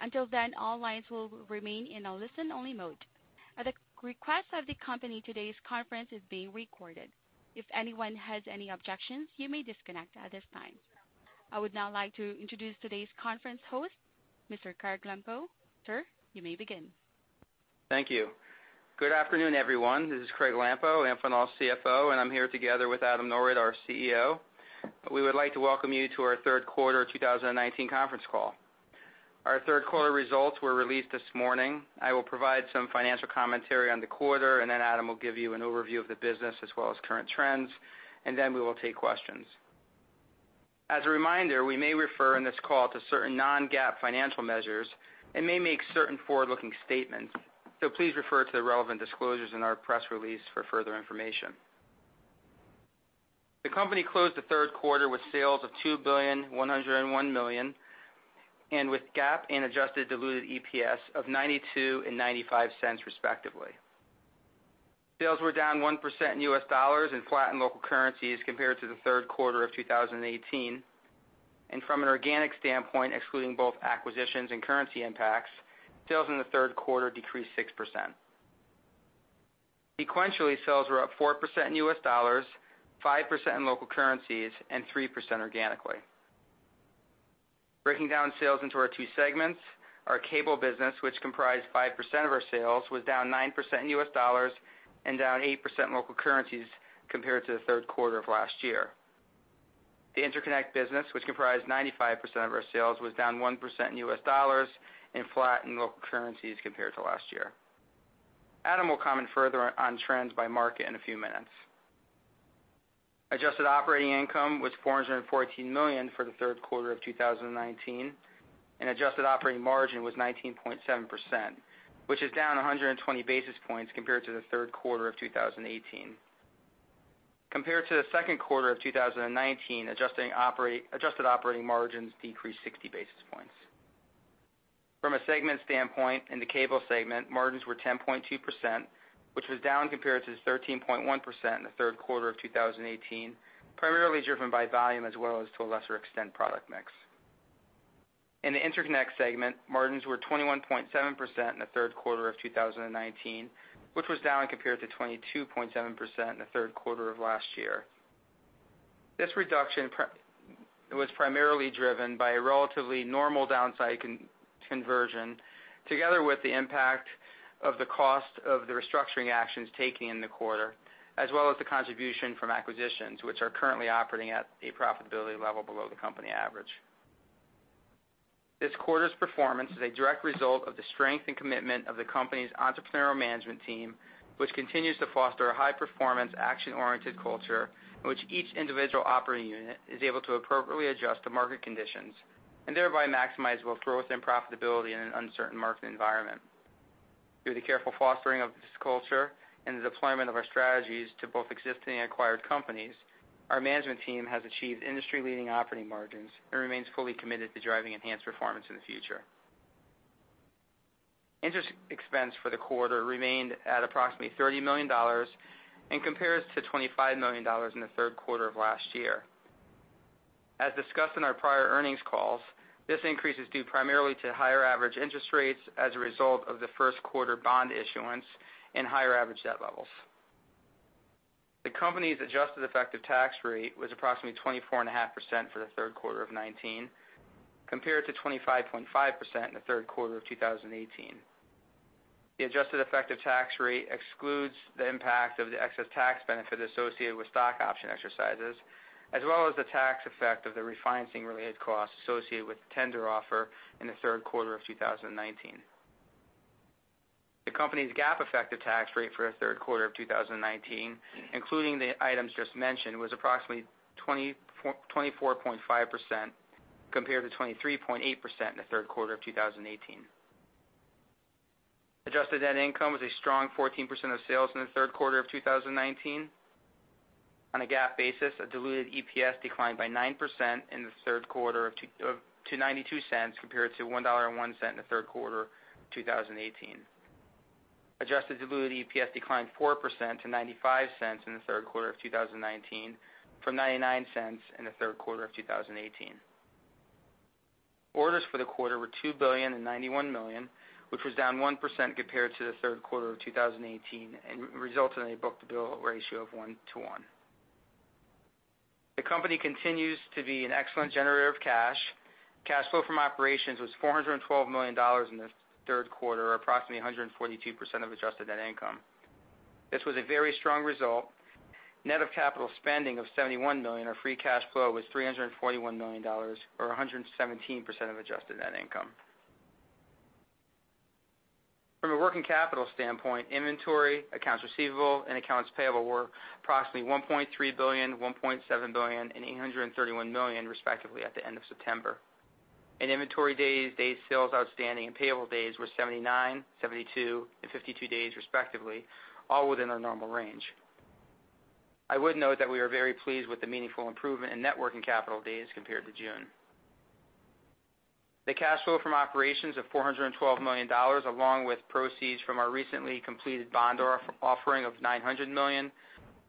Until then, all lines will remain in a listen-only mode. At the request of the company, today's conference is being recorded. If anyone has any objections, you may disconnect at this time. I would now like to introduce today's conference host, Mr. Craig Lampo. Sir, you may begin. Thank you. Good afternoon, everyone. This is Craig Lampo, Amphenol's CFO, and I'm here together with Adam Norwitt, our CEO. We would like to welcome you to our third quarter 2019 conference call. Our third quarter results were released this morning. I will provide some financial commentary on the quarter, and then Adam will give you an overview of the business as well as current trends, and then we will take questions. As a reminder, we may refer in this call to certain non-GAAP financial measures and may make certain forward-looking statements. So please refer to the relevant disclosures in our press release for further information. The company closed the third quarter with sales of $2,101,000,000 and with GAAP and adjusted diluted EPS of $0.92 and $0.95, respectively. Sales were down 1% in U.S. dollars and flat in local currencies compared to the third quarter of 2018. From an organic standpoint, excluding both acquisitions and currency impacts, sales in the third quarter decreased 6%. Sequentially, sales were up 4% in U.S. dollars, 5% in local currencies, and 3% organically. Breaking down sales into our two segments, our cable business, which comprised 5% of our sales, was down 9% in U.S. dollars and down 8% in local currencies compared to the third quarter of last year. The interconnect business, which comprised 95% of our sales, was down 1% in U.S. dollars and flat in local currencies compared to last year. Adam will comment further on trends by market in a few minutes. Adjusted operating income was $414 million for the third quarter of 2019, and adjusted operating margin was 19.7%, which is down 120 basis points compared to the third quarter of 2018. Compared to the second quarter of 2019, adjusted operating margins decreased 60 basis points. From a segment standpoint, in the cable segment, margins were 10.2%, which was down compared to 13.1% in the third quarter of 2018, primarily driven by volume as well as, to a lesser extent, product mix. In the interconnect segment, margins were 21.7% in the third quarter of 2019, which was down compared to 22.7% in the third quarter of last year. This reduction was primarily driven by a relatively normal downside conversion, together with the impact of the cost of the restructuring actions taken in the quarter, as well as the contribution from acquisitions, which are currently operating at a profitability level below the company average. This quarter's performance is a direct result of the strength and commitment of the company's entrepreneurial management team, which continues to foster a high-performance, action-oriented culture in which each individual operating unit is able to appropriately adjust to market conditions and thereby maximize both growth and profitability in an uncertain market environment. Through the careful fostering of this culture and the deployment of our strategies to both existing and acquired companies, our management team has achieved industry-leading operating margins and remains fully committed to driving enhanced performance in the future. Interest expense for the quarter remained at approximately $30 million and compares to $25 million in the third quarter of last year. As discussed in our prior earnings calls, this increase is due primarily to higher average interest rates as a result of the first quarter bond issuance and higher average debt levels. The company's adjusted effective tax rate was approximately 24.5% for the third quarter of 2019, compared to 25.5% in the third quarter of 2018. The adjusted effective tax rate excludes the impact of the excess tax benefit associated with stock option exercises, as well as the tax effect of the refinancing-related costs associated with the tender offer in the third quarter of 2019. The company's GAAP effective tax rate for the third quarter of 2019, including the items just mentioned, was approximately 24.5%, compared to 23.8% in the third quarter of 2018. Adjusted net income was a strong 14% of sales in the third quarter of 2019. On a GAAP basis, a diluted EPS declined by 9% in the third quarter to $0.92, compared to $1.01 in the third quarter of 2018. Adjusted diluted EPS declined 4% to $0.95 in the third quarter of 2019, from $0.99 in the third quarter of 2018. Orders for the quarter were $2.091 billion, which was down 1% compared to the third quarter of 2018 and resulted in a book-to-bill ratio of 1:1. The company continues to be an excellent generator of cash. Cash flow from operations was $412 million in the third quarter, or approximately 142% of adjusted net income. This was a very strong result. Net of capital spending of $71 million, or free cash flow, was $341 million, or 117% of adjusted net income. From a working capital standpoint, inventory, accounts receivable, and accounts payable were approximately $1.3 billion, $1.7 billion, and $831 million, respectively, at the end of September. Inventory days, days sales outstanding, and payable days were 79, 72, and 52 days, respectively, all within our normal range. I would note that we are very pleased with the meaningful improvement in net working capital days compared to June. The cash flow from operations of $412 million, along with proceeds from our recently completed bond offering of $900 million,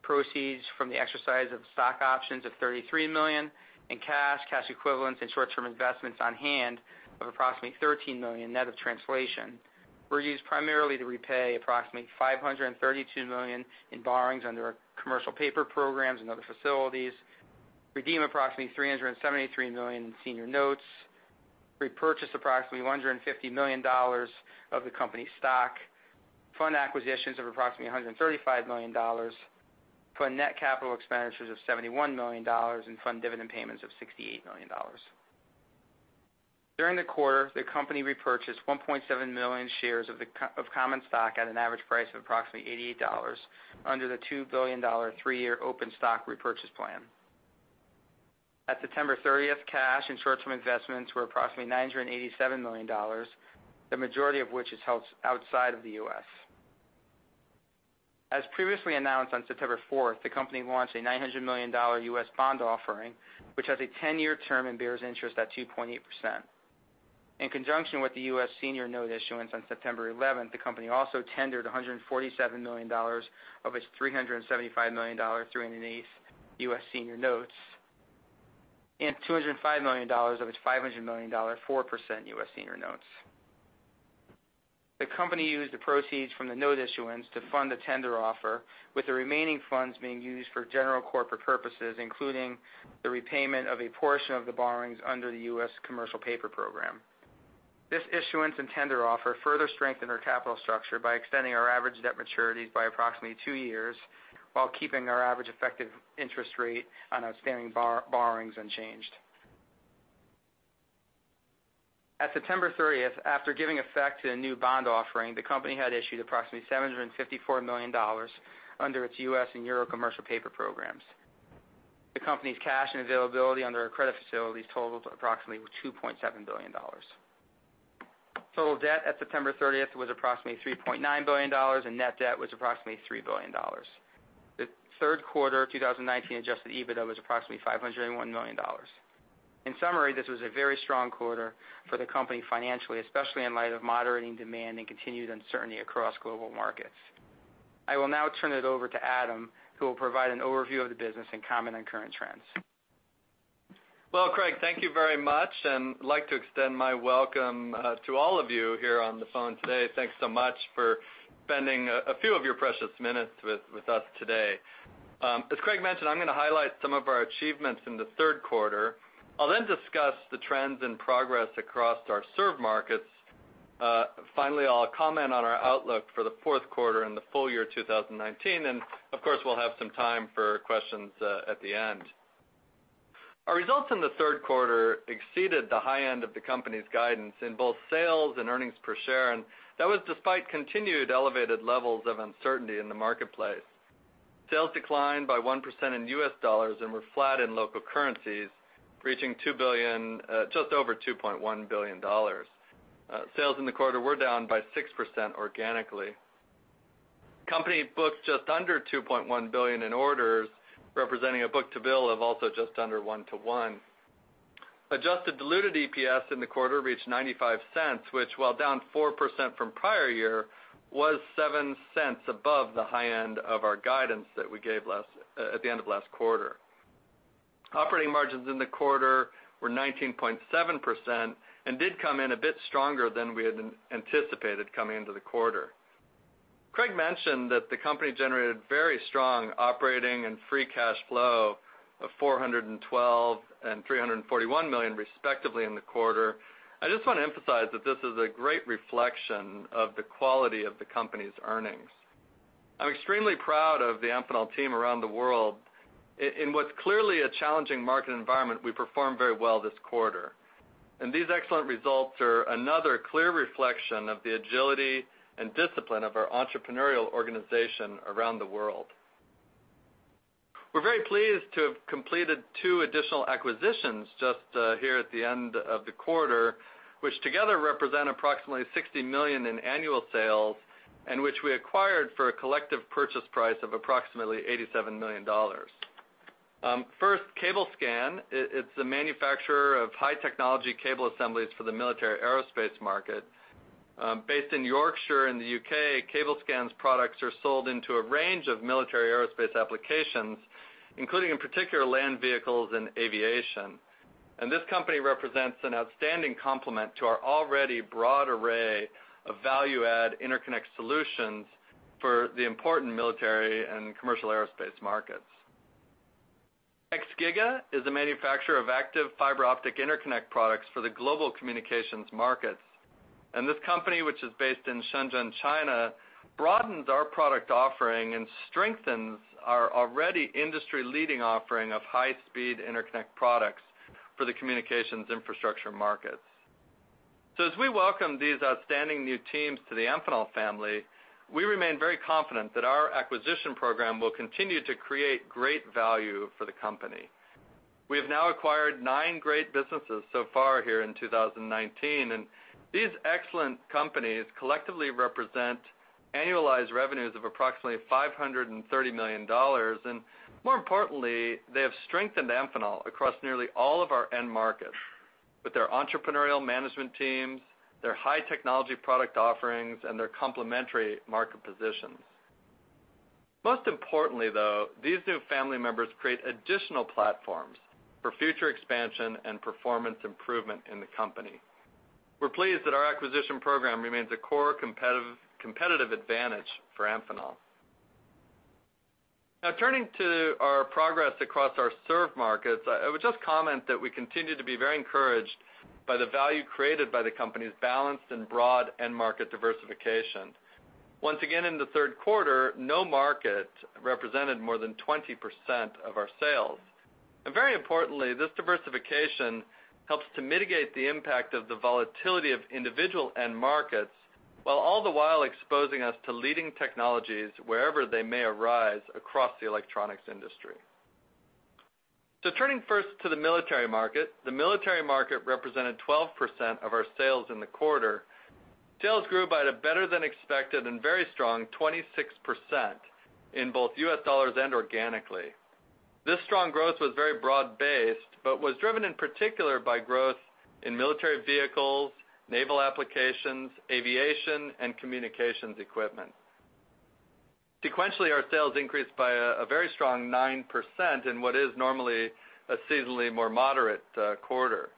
proceeds from the exercise of stock options of $33 million, and cash, cash equivalents, and short-term investments on hand of approximately $13 million, net of translation, were used primarily to repay approximately $532 million in borrowings under commercial paper programs and other facilities, redeem approximately $373 million in senior notes, repurchase approximately $150 million of the company's stock, fund acquisitions of approximately $135 million, fund net capital expenditures of $71 million, and fund dividend payments of $68 million. During the quarter, the company repurchased 1.7 million shares of common stock at an average price of approximately $88, under the $2 billion three-year open stock repurchase plan. At September 30th, cash and short-term investments were approximately $987 million, the majority of which is held outside of the U.S. As previously announced on September 4th, the company launched a $900 million U.S. bond offering, which has a 10-year term and bears interest at 2.8%. In conjunction with the U.S. senior note issuance on September 11th, the company also tendered $147 million of its $375 million 3.08% U.S. senior notes and $205 million of its $500 million 4% U.S. senior notes. The company used the proceeds from the note issuance to fund the tender offer, with the remaining funds being used for general corporate purposes, including the repayment of a portion of the borrowings under the U.S. commercial paper program. This issuance and tender offer further strengthened our capital structure by extending our average debt maturities by approximately two years, while keeping our average effective interest rate on outstanding borrowings unchanged. At September 30th, after giving effect to the new bond offering, the company had issued approximately $754 million under its U.S. and Euro commercial paper programs. The company's cash and availability under our credit facilities totaled approximately $2.7 billion. Total debt at September 30th was approximately $3.9 billion, and net debt was approximately $3 billion. The third quarter 2019 Adjusted EBITDA was approximately $501 million. In summary, this was a very strong quarter for the company financially, especially in light of moderating demand and continued uncertainty across global markets. I will now turn it over to Adam, who will provide an overview of the business and comment on current trends. Well, Craig, thank you very much, and I'd like to extend my welcome to all of you here on the phone today. Thanks so much for spending a few of your precious minutes with us today. As Craig mentioned, I'm going to highlight some of our achievements in the third quarter. I'll then discuss the trends and progress across our served markets. Finally, I'll comment on our outlook for the fourth quarter in the full year 2019, and of course, we'll have some time for questions at the end. Our results in the third quarter exceeded the high end of the company's guidance in both sales and earnings per share, and that was despite continued elevated levels of uncertainty in the marketplace. Sales declined by 1% in U.S. dollars and were flat in local currencies, reaching just over $2.1 billion. Sales in the quarter were down by 6% organically. Company books just under $2.1 billion in orders, representing a book-to-bill of also just under 1:1. Adjusted Diluted EPS in the quarter reached $0.95, which, while down 4% from prior year, was $0.07 above the high end of our guidance that we gave at the end of last quarter. Operating margins in the quarter were 19.7% and did come in a bit stronger than we had anticipated coming into the quarter. Craig mentioned that the company generated very strong operating and free cash flow of $412 million and $341 million, respectively, in the quarter. I just want to emphasize that this is a great reflection of the quality of the company's earnings. I'm extremely proud of the Amphenol team around the world. In what's clearly a challenging market environment, we performed very well this quarter. These excellent results are another clear reflection of the agility and discipline of our entrepreneurial organization around the world. We're very pleased to have completed two additional acquisitions just here at the end of the quarter, which together represent approximately $60 million in annual sales, and which we acquired for a collective purchase price of approximately $87 million. First, CableScan. It's the manufacturer of high-technology cable assemblies for the military aerospace market. Based in Yorkshire in the U.K., CableScan's products are sold into a range of military aerospace applications, including in particular land vehicles and aviation. This company represents an outstanding complement to our already broad array of value-add interconnect solutions for the important military and commercial aerospace markets. Xgiga is a manufacturer of active fiber optic interconnect products for the global communications markets. This company, which is based in Shenzhen, China, broadens our product offering and strengthens our already industry-leading offering of high-speed interconnect products for the communications infrastructure markets. So, as we welcome these outstanding new teams to the Amphenol family, we remain very confident that our acquisition program will continue to create great value for the company. We have now acquired nine great businesses so far here in 2019, and these excellent companies collectively represent annualized revenues of approximately $530 million. More importantly, they have strengthened Amphenol across nearly all of our end markets with their entrepreneurial management teams, their high-technology product offerings, and their complementary market positions. Most importantly, though, these new family members create additional platforms for future expansion and performance improvement in the company. We're pleased that our acquisition program remains a core competitive advantage for Amphenol. Now, turning to our progress across our served markets, I would just comment that we continue to be very encouraged by the value created by the company's balanced and broad end market diversification. Once again, in the third quarter, no market represented more than 20% of our sales. Very importantly, this diversification helps to mitigate the impact of the volatility of individual end markets, while all the while exposing us to leading technologies wherever they may arise across the electronics industry. Turning first to the military market, the military market represented 12% of our sales in the quarter. Sales grew by a better-than-expected and very strong 26% in both U.S. dollars and organically. This strong growth was very broad-based, but was driven in particular by growth in military vehicles, naval applications, aviation, and communications equipment. Sequentially, our sales increased by a very strong 9% in what is normally a seasonally more moderate quarter.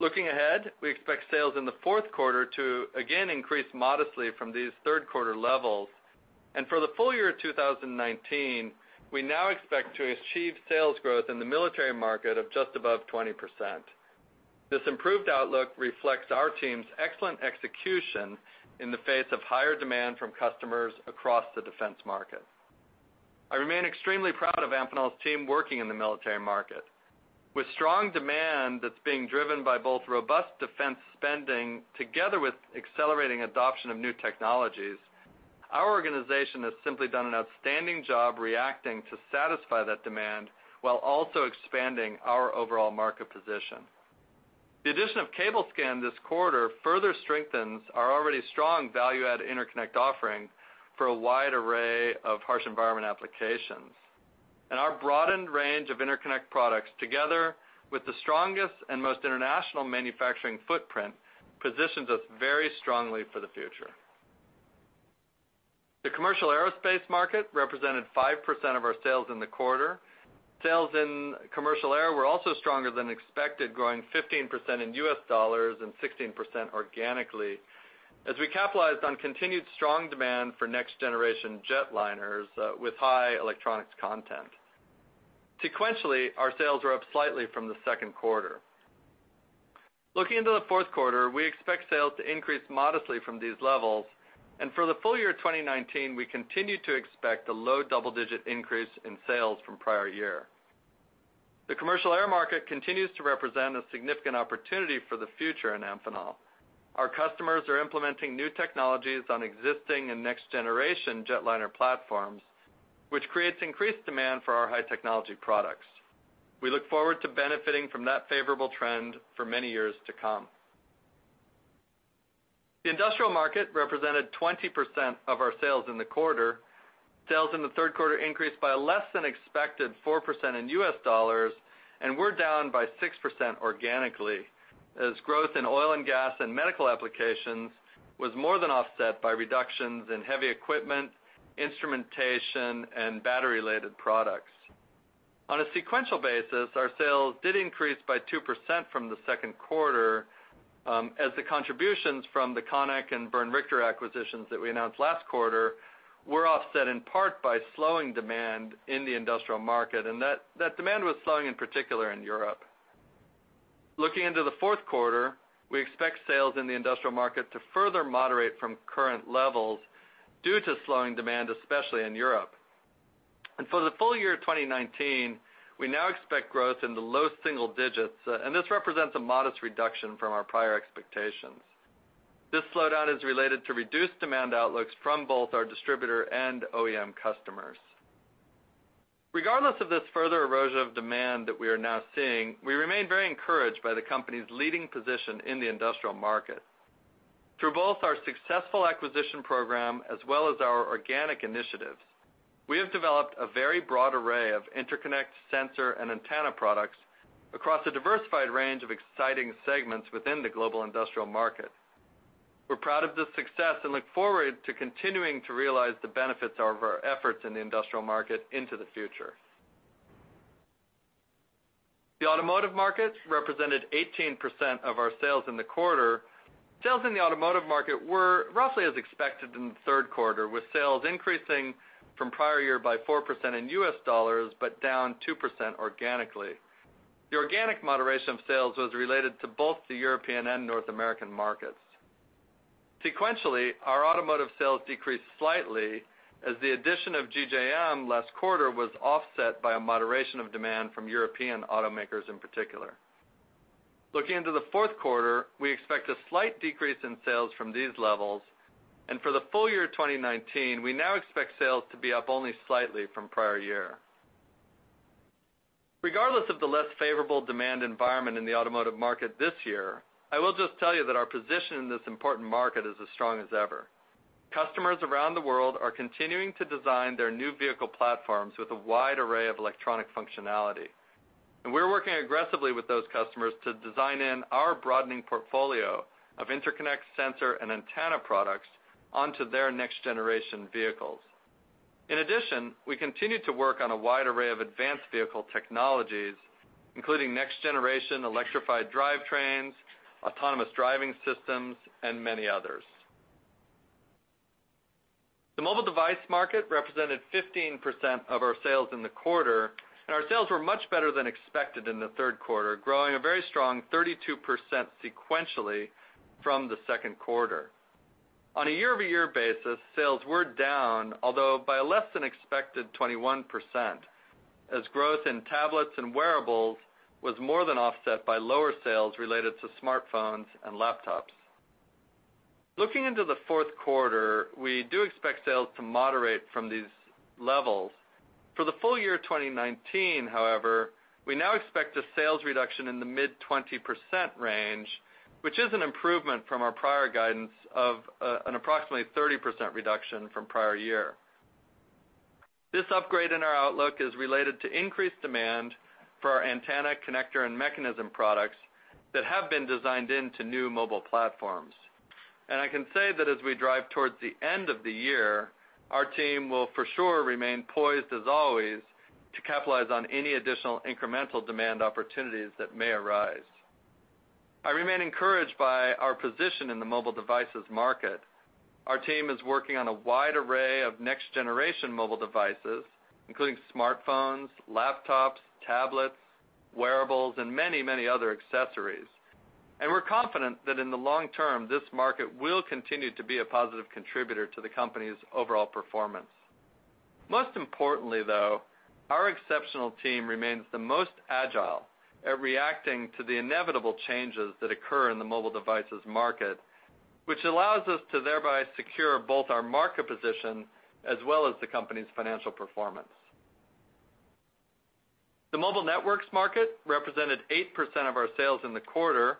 Looking ahead, we expect sales in the fourth quarter to again increase modestly from these third quarter levels. For the full year of 2019, we now expect to achieve sales growth in the military market of just above 20%. This improved outlook reflects our team's excellent execution in the face of higher demand from customers across the defense market. I remain extremely proud of Amphenol's team working in the military market. With strong demand that's being driven by both robust defense spending together with accelerating adoption of new technologies, our organization has simply done an outstanding job reacting to satisfy that demand while also expanding our overall market position. The addition of CableScan this quarter further strengthens our already strong value-add interconnect offering for a wide array of harsh environment applications. Our broadened range of interconnect products, together with the strongest and most international manufacturing footprint, positions us very strongly for the future. The commercial aerospace market represented 5% of our sales in the quarter. Sales in commercial air were also stronger than expected, growing 15% in U.S. dollars and 16% organically, as we capitalized on continued strong demand for next-generation jetliners with high electronics content. Sequentially, our sales were up slightly from the second quarter. Looking into the fourth quarter, we expect sales to increase modestly from these levels. For the full year 2019, we continue to expect a low double-digit increase in sales from prior year. The commercial air market continues to represent a significant opportunity for the future in Amphenol. Our customers are implementing new technologies on existing and next-generation jetliner platforms, which creates increased demand for our high-technology products. We look forward to benefiting from that favorable trend for many years to come. The industrial market represented 20% of our sales in the quarter. Sales in the third quarter increased by less than expected 4% in U.S. dollars, and we're down by 6% organically, as growth in oil and gas and medical applications was more than offset by reductions in heavy equipment, instrumentation, and battery-related products. On a sequential basis, our sales did increase by 2% from the second quarter, as the contributions from the Conec and Bernd Richter acquisitions that we announced last quarter were offset in part by slowing demand in the industrial market, and that demand was slowing in particular in Europe. Looking into the fourth quarter, we expect sales in the industrial market to further moderate from current levels due to slowing demand, especially in Europe. For the full year 2019, we now expect growth in the low single digits, and this represents a modest reduction from our prior expectations. This slowdown is related to reduced demand outlooks from both our distributor and OEM customers. Regardless of this further erosion of demand that we are now seeing, we remain very encouraged by the company's leading position in the industrial market. Through both our successful acquisition program as well as our organic initiatives, we have developed a very broad array of interconnect, sensor, and antenna products across a diversified range of exciting segments within the global industrial market. We're proud of this success and look forward to continuing to realize the benefits of our efforts in the industrial market into the future. The automotive market represented 18% of our sales in the quarter. Sales in the automotive market were roughly as expected in the third quarter, with sales increasing from prior year by 4% in U.S. dollars but down 2% organically. The organic moderation of sales was related to both the European and North American markets. Sequentially, our automotive sales decreased slightly as the addition of GJM last quarter was offset by a moderation of demand from European automakers in particular. Looking into the fourth quarter, we expect a slight decrease in sales from these levels. For the full year 2019, we now expect sales to be up only slightly from prior year. Regardless of the less favorable demand environment in the automotive market this year, I will just tell you that our position in this important market is as strong as ever. Customers around the world are continuing to design their new vehicle platforms with a wide array of electronic functionality. We're working aggressively with those customers to design in our broadening portfolio of interconnect, sensor, and antenna products onto their next-generation vehicles. In addition, we continue to work on a wide array of advanced vehicle technologies, including next-generation electrified drivetrains, autonomous driving systems, and many others. The mobile device market represented 15% of our sales in the quarter, and our sales were much better than expected in the third quarter, growing a very strong 32% sequentially from the second quarter. On a year-over-year basis, sales were down, although by less than expected 21%, as growth in tablets and wearables was more than offset by lower sales related to smartphones and laptops. Looking into the fourth quarter, we do expect sales to moderate from these levels. For the full year 2019, however, we now expect a sales reduction in the mid-20% range, which is an improvement from our prior guidance of an approximately 30% reduction from prior year. This upgrade in our outlook is related to increased demand for our antenna, connector, and mechanism products that have been designed into new mobile platforms. And I can say that as we drive towards the end of the year, our team will for sure remain poised, as always, to capitalize on any additional incremental demand opportunities that may arise. I remain encouraged by our position in the mobile devices market. Our team is working on a wide array of next-generation mobile devices, including smartphones, laptops, tablets, wearables, and many, many other accessories. And we're confident that in the long term, this market will continue to be a positive contributor to the company's overall performance. Most importantly, though, our exceptional team remains the most agile at reacting to the inevitable changes that occur in the mobile devices market, which allows us to thereby secure both our market position as well as the company's financial performance. The mobile networks market represented 8% of our sales in the quarter.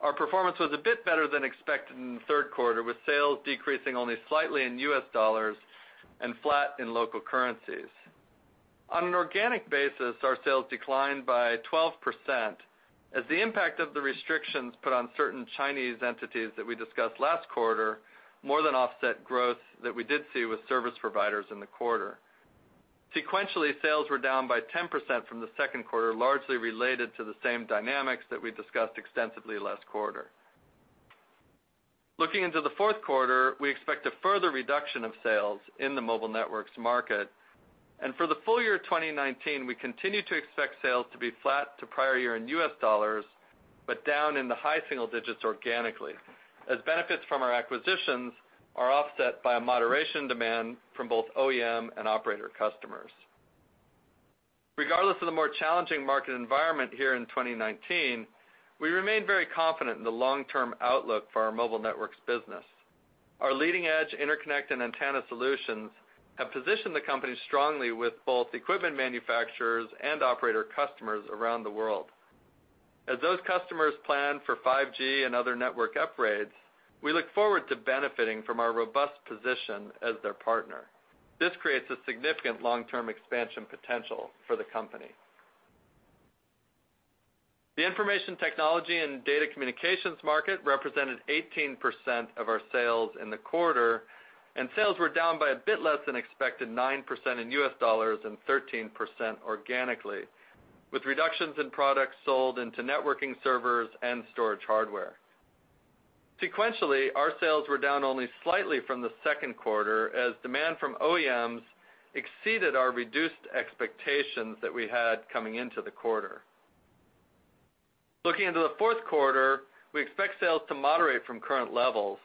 Our performance was a bit better than expected in the third quarter, with sales decreasing only slightly in U.S. dollars and flat in local currencies. On an organic basis, our sales declined by 12%, as the impact of the restrictions put on certain Chinese entities that we discussed last quarter more than offset growth that we did see with service providers in the quarter. Sequentially, sales were down by 10% from the second quarter, largely related to the same dynamics that we discussed extensively last quarter. Looking into the fourth quarter, we expect a further reduction of sales in the mobile networks market. For the full year 2019, we continue to expect sales to be flat to prior year in U.S. dollars but down in the high single digits organically, as benefits from our acquisitions are offset by a moderation demand from both OEM and operator customers. Regardless of the more challenging market environment here in 2019, we remain very confident in the long-term outlook for our mobile networks business. Our leading-edge interconnect and antenna solutions have positioned the company strongly with both equipment manufacturers and operator customers around the world. As those customers plan for 5G and other network upgrades, we look forward to benefiting from our robust position as their partner. This creates a significant long-term expansion potential for the company. The information technology and data communications market represented 18% of our sales in the quarter, and sales were down by a bit less than expected 9% in U.S. dollars and 13% organically, with reductions in products sold into networking servers and storage hardware. Sequentially, our sales were down only slightly from the second quarter, as demand from OEMs exceeded our reduced expectations that we had coming into the quarter. Looking into the fourth quarter, we expect sales to moderate from current levels.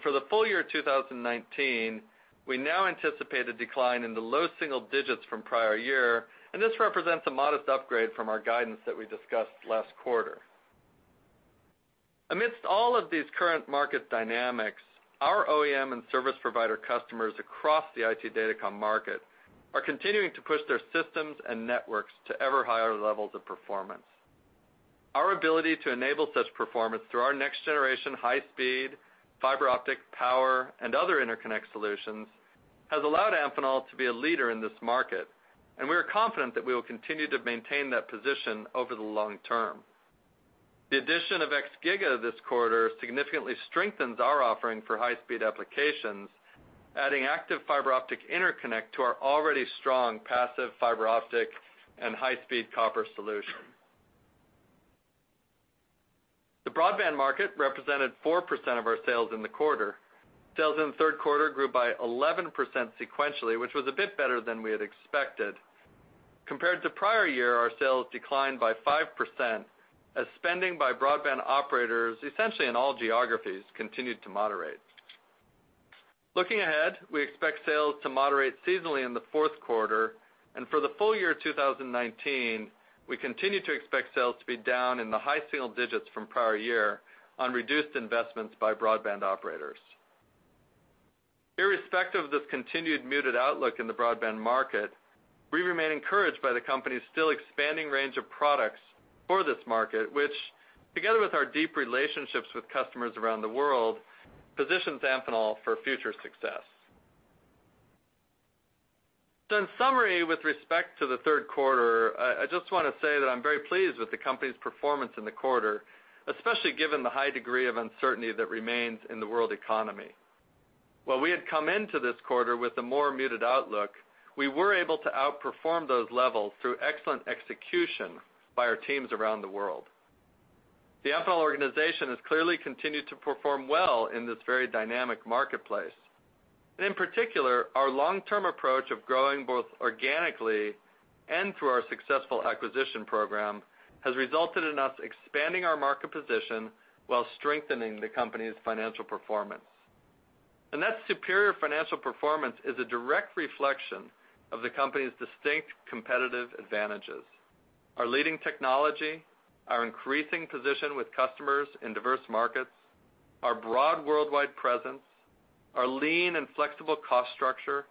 For the full year 2019, we now anticipate a decline in the low single digits from prior year, and this represents a modest upgrade from our guidance that we discussed last quarter. Amidst all of these current market dynamics, our OEM and service provider customers across the IT Datacom market are continuing to push their systems and networks to ever-higher levels of performance. Our ability to enable such performance through our next-generation high-speed fiber optic power and other interconnect solutions has allowed Amphenol to be a leader in this market, and we are confident that we will continue to maintain that position over the long term. The addition of Xgiga this quarter significantly strengthens our offering for high-speed applications, adding active fiber optic interconnect to our already strong passive fiber optic and high-speed copper solution. The broadband market represented 4% of our sales in the quarter. Sales in the third quarter grew by 11% sequentially, which was a bit better than we had expected. Compared to prior year, our sales declined by 5%, as spending by broadband operators essentially in all geographies continued to moderate. Looking ahead, we expect sales to moderate seasonally in the fourth quarter. For the full year 2019, we continue to expect sales to be down in the high single digits from prior year on reduced investments by broadband operators. Irrespective of this continued muted outlook in the broadband market, we remain encouraged by the company's still expanding range of products for this market, which, together with our deep relationships with customers around the world, positions Amphenol for future success. In summary, with respect to the third quarter, I just want to say that I'm very pleased with the company's performance in the quarter, especially given the high degree of uncertainty that remains in the world economy. While we had come into this quarter with a more muted outlook, we were able to outperform those levels through excellent execution by our teams around the world. The Amphenol organization has clearly continued to perform well in this very dynamic marketplace. In particular, our long-term approach of growing both organically and through our successful acquisition program has resulted in us expanding our market position while strengthening the company's financial performance. That superior financial performance is a direct reflection of the company's distinct competitive advantages: our leading technology, our increasing position with customers in diverse markets, our broad worldwide presence, our lean and flexible cost structure,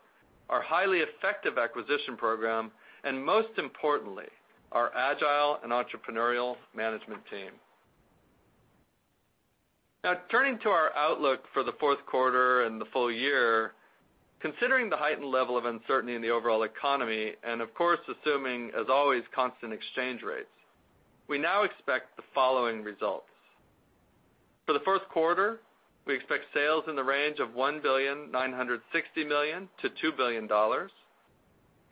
our highly effective acquisition program, and most importantly, our agile and entrepreneurial management team. Now, turning to our outlook for the fourth quarter and the full year, considering the heightened level of uncertainty in the overall economy and, of course, assuming, as always, constant exchange rates, we now expect the following results. For the fourth quarter, we expect sales in the range of $1,960 million to $2 billion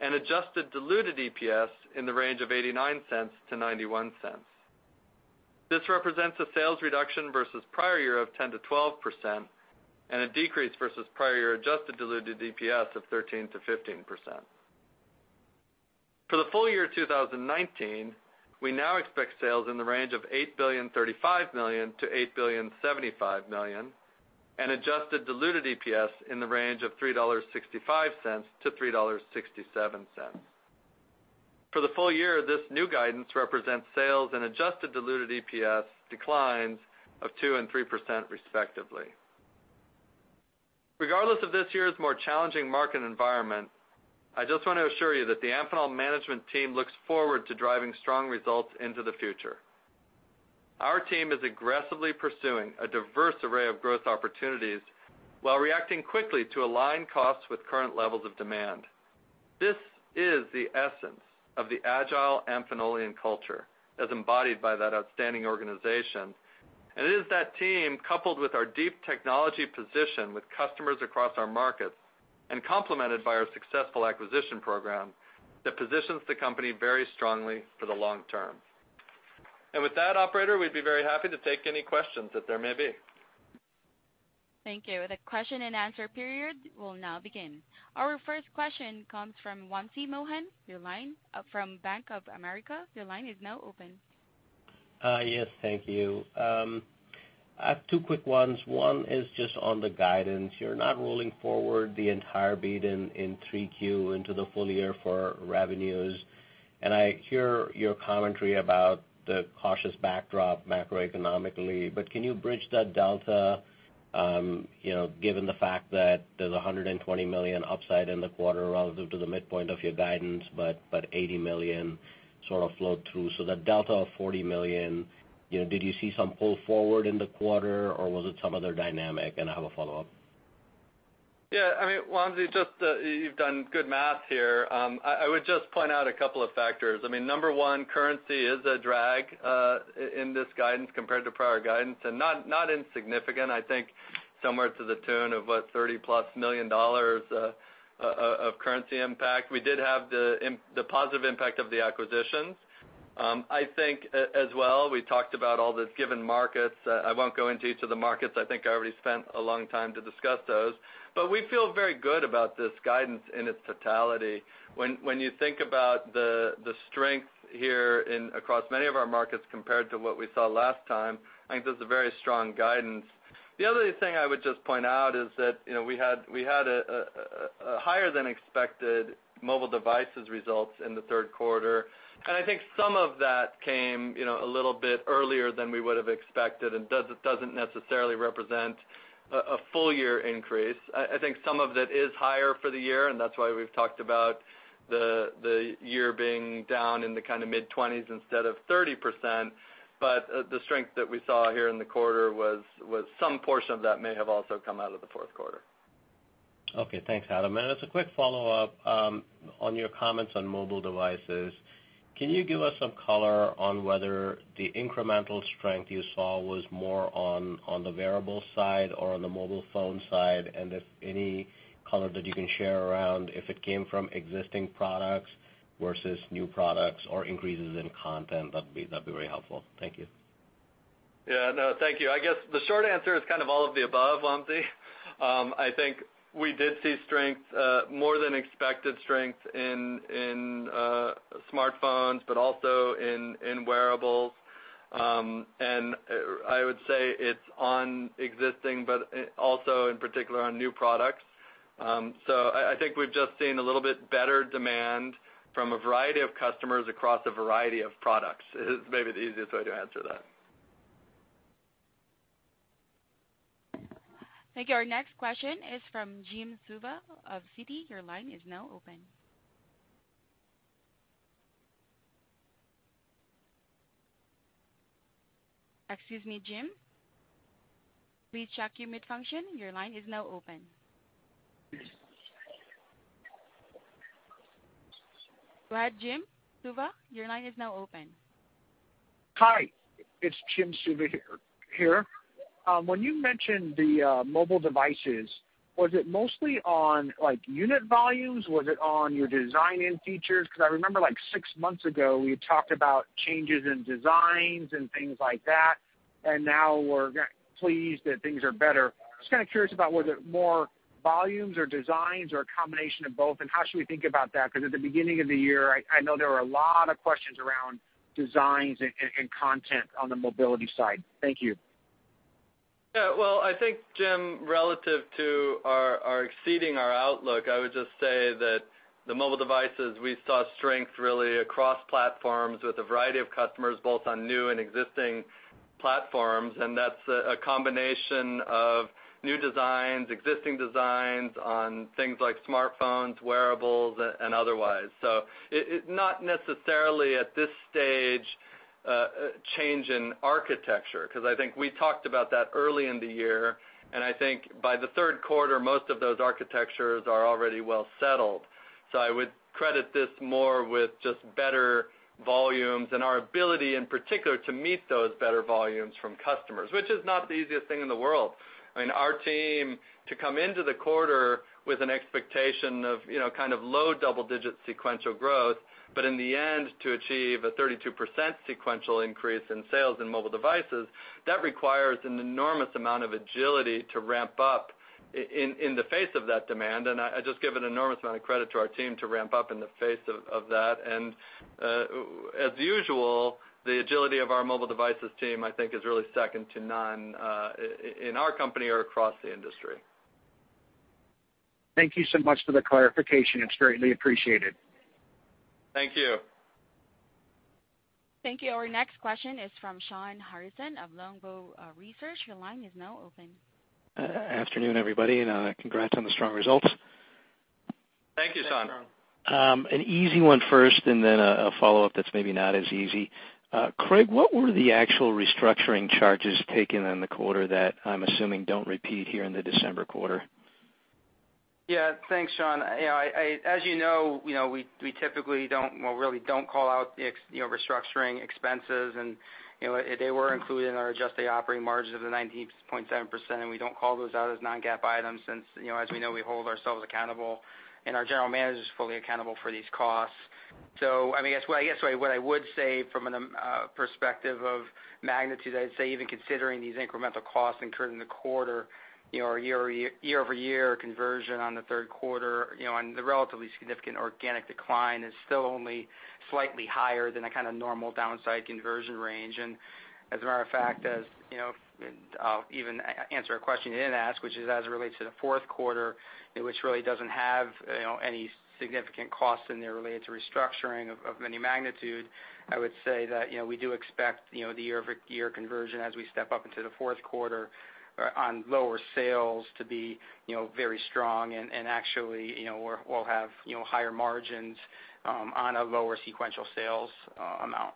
and adjusted diluted EPS in the range of $0.89-$0.91. This represents a sales reduction versus prior year of 10%-12% and a decrease versus prior year adjusted diluted EPS of 13%-15%. For the full year 2019, we now expect sales in the range of $8,035,000,000 -$8,075,000,000 and adjusted diluted EPS in the range of $3.65-$3.67. For the full year, this new guidance represents sales and adjusted diluted EPS declines of 2%-3%, respectively. Regardless of this year's more challenging market environment, I just want to assure you that the Amphenol management team looks forward to driving strong results into the future. Our team is aggressively pursuing a diverse array of growth opportunities while reacting quickly to align costs with current levels of demand. This is the essence of the agile Amphenolian culture, as embodied by that outstanding organization. And it is that team, coupled with our deep technology position with customers across our markets and complemented by our successful acquisition program, that positions the company very strongly for the long term. And with that, Operator, we'd be very happy to take any questions that there may be. Thank you. The question and answer period will now begin. Our first question comes from Wamsi Mohan. Your line from Bank of America. Your line is now open. Yes, thank you. I have two quick ones. One is just on the guidance. You're not rolling forward the entire beat in 3Q into the full year for revenues. And I hear your commentary about the cautious backdrop macroeconomically, but can you bridge that delta given the fact that there's $120 million upside in the quarter relative to the midpoint of your guidance, but $80 million sort of flowed through? So that delta of $40 million, did you see some pull forward in the quarter, or was it some other dynamic? And I have a follow-up. Yeah. I mean, Wamsi, you've done good math here. I would just point out a couple of factors. I mean, number one, currency is a drag in this guidance compared to prior guidance and not insignificant. I think somewhere to the tune of what, $30+ million of currency impact. We did have the positive impact of the acquisitions. I think, as well, we talked about all the given markets. I won't go into each of the markets. I think I already spent a long time to discuss those. But we feel very good about this guidance in its totality. When you think about the strength here across many of our markets compared to what we saw last time, I think this is a very strong guidance. The other thing I would just point out is that we had a higher-than-expected mobile devices result in the third quarter. And I think some of that came a little bit earlier than we would have expected and doesn't necessarily represent a full-year increase. I think some of it is higher for the year, and that's why we've talked about the year being down in the kind of mid-20s instead of 30%. But the strength that we saw here in the quarter, some portion of that may have also come out of the fourth quarter. Okay. Thanks, Adam. And as a quick follow-up on your comments on mobile devices, can you give us some color on whether the incremental strength you saw was more on the wearable side or on the mobile phone side? And if any, color that you can share around if it came from existing products versus new products or increases in content, that'd be very helpful. Thank you. Yeah. No, thank you. I guess the short answer is kind of all of the above, Wamsi. I think we did see strength, more than expected strength, in smartphones but also in wearables. And I would say it's on existing, but also in particular on new products. So I think we've just seen a little bit better demand from a variety of customers across a variety of products is maybe the easiest way to answer that. Thank you. Our next question is from Jim Suva of Citi. Your line is now open. Excuse me, Jim. Please check your mute function. Your line is now open. Go ahead, Jim Suva. Your line is now open. Hi. It's Jim Suva here. When you mentioned the mobile devices, was it mostly on unit volumes? Was it on your design and features? Because I remember six months ago, we had talked about changes in designs and things like that, and now we're pleased that things are better. I'm just kind of curious about whether it's more volumes or designs or a combination of both, and how should we think about that? Because at the beginning of the year, I know there were a lot of questions around designs and content on the mobility side. Thank you. Yeah. Well, I think, Jim, relative to our exceeding our outlook, I would just say that the mobile devices, we saw strength really across platforms with a variety of customers, both on new and existing platforms. That's a combination of new designs, existing designs on things like smartphones, wearables, and otherwise. Not necessarily at this stage a change in architecture. Because I think we talked about that early in the year, and I think by the third quarter, most of those architectures are already well settled. I would credit this more with just better volumes and our ability, in particular, to meet those better volumes from customers, which is not the easiest thing in the world. I mean, our team to come into the quarter with an expectation of kind of low double-digit sequential growth, but in the end, to achieve a 32% sequential increase in sales in mobile devices, that requires an enormous amount of agility to ramp up in the face of that demand. And I just give an enormous amount of credit to our team to ramp up in the face of that. And as usual, the agility of our mobile devices team, I think, is really second to none in our company or across the industry. Thank you so much for the clarification. It's greatly appreciated. Thank you. Thank you. Our next question is from Shawn Harrison of Longbow Research. Your line is now open. Afternoon, everybody. And congrats on the strong results. Thank you, Shawn. An easy one first and then a follow-up that's maybe not as easy. Craig, what were the actual restructuring charges taken in the quarter that I'm assuming don't repeat here in the December quarter? Yeah. Thanks, Shawn. As you know, we typically don't really call out restructuring expenses, and they were included in our adjusted operating margins of the 19.7%. And we don't call those out as non-GAAP items since, as we know, we hold ourselves accountable, and our general manager is fully accountable for these costs. So I guess what I would say from a perspective of magnitude, I'd say even considering these incremental costs incurred in the quarter, or year-over-year conversion on the third quarter, and the relatively significant organic decline is still only slightly higher than a kind of normal downside conversion range. As a matter of fact, I'll even answer a question you didn't ask, which is as it relates to the fourth quarter, which really doesn't have any significant costs in there related to restructuring of any magnitude. I would say that we do expect the year-over-year conversion as we step up into the fourth quarter on lower sales to be very strong and actually will have higher margins on a lower sequential sales amount.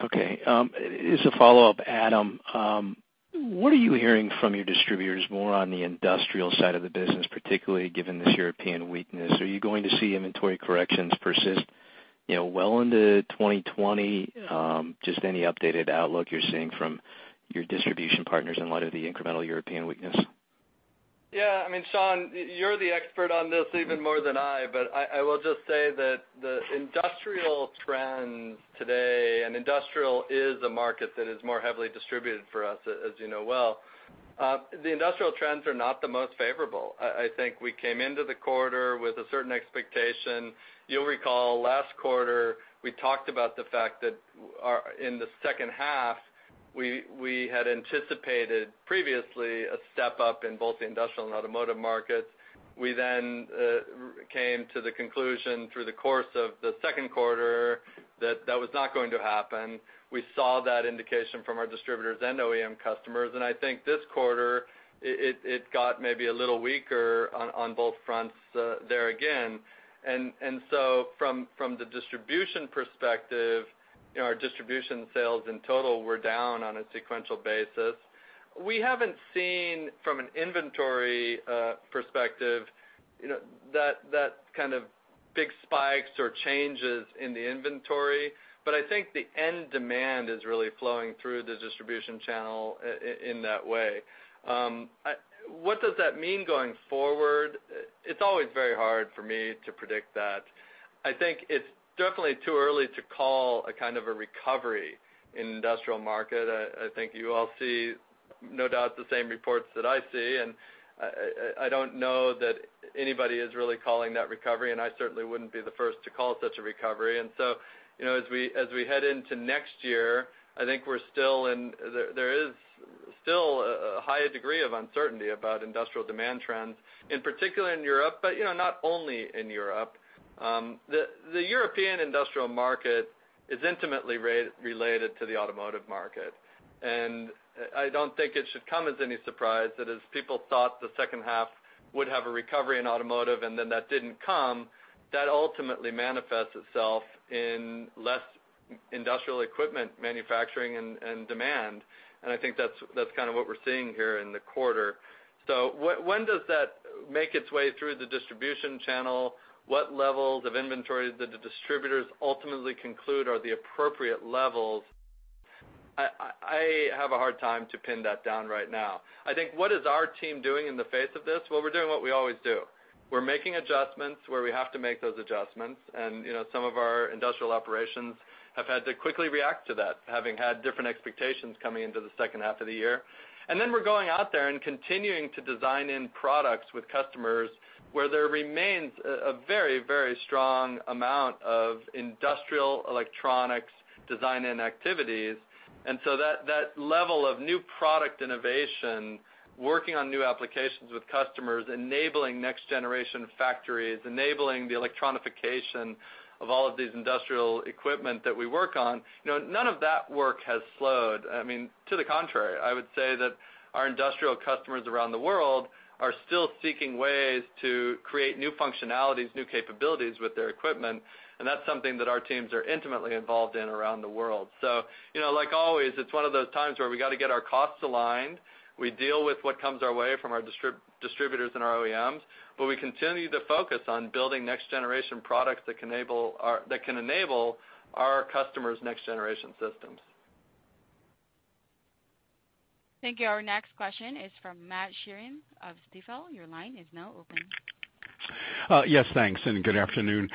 Okay. Just a follow-up, Adam. What are you hearing from your distributors more on the industrial side of the business, particularly given this European weakness? Are you going to see inventory corrections persist well into 2020? Just any updated outlook you're seeing from your distribution partners in light of the incremental European weakness? Yeah. I mean, Shawn, you're the expert on this even more than I, but I will just say that the industrial trends today, and industrial is a market that is more heavily distributed for us, as you know well, the industrial trends are not the most favorable. I think we came into the quarter with a certain expectation. You'll recall last quarter, we talked about the fact that in the second half, we had anticipated previously a step up in both the industrial and automotive markets. We then came to the conclusion through the course of the second quarter that that was not going to happen. We saw that indication from our distributors and OEM customers. And I think this quarter, it got maybe a little weaker on both fronts there again. And so from the distribution perspective, our distribution sales in total were down on a sequential basis. We haven't seen, from an inventory perspective, that kind of big spikes or changes in the inventory. But I think the end demand is really flowing through the distribution channel in that way. What does that mean going forward? It's always very hard for me to predict that. I think it's definitely too early to call a kind of a recovery in the industrial market. I think you all see, no doubt, the same reports that I see. And I don't know that anybody is really calling that recovery, and I certainly wouldn't be the first to call such a recovery. And so as we head into next year, I think we're still in, there is still a high degree of uncertainty about industrial demand trends, in particular in Europe, but not only in Europe. The European industrial market is intimately related to the automotive market. I don't think it should come as any surprise that as people thought the second half would have a recovery in automotive and then that didn't come, that ultimately manifests itself in less industrial equipment manufacturing and demand. I think that's kind of what we're seeing here in the quarter. So when does that make its way through the distribution channel? What levels of inventory did the distributors ultimately conclude are the appropriate levels? I have a hard time to pin that down right now. I think what is our team doing in the face of this? Well, we're doing what we always do. We're making adjustments where we have to make those adjustments. Some of our industrial operations have had to quickly react to that, having had different expectations coming into the second half of the year. And then we're going out there and continuing to design in products with customers where there remains a very, very strong amount of industrial electronics design-in activities. And so that level of new product innovation, working on new applications with customers, enabling next-generation factories, enabling the electronification of all of these industrial equipment that we work on, none of that work has slowed. I mean, to the contrary, I would say that our industrial customers around the world are still seeking ways to create new functionalities, new capabilities with their equipment. And that's something that our teams are intimately involved in around the world. So like always, it's one of those times where we got to get our costs aligned. We deal with what comes our way from our distributors and our OEMs, but we continue to focus on building next-generation products that can enable our customers' next-generation systems. Thank you. Our next question is from Matt Sheerin of Stifel. Your line is now open. Yes. Thanks. And good afternoon.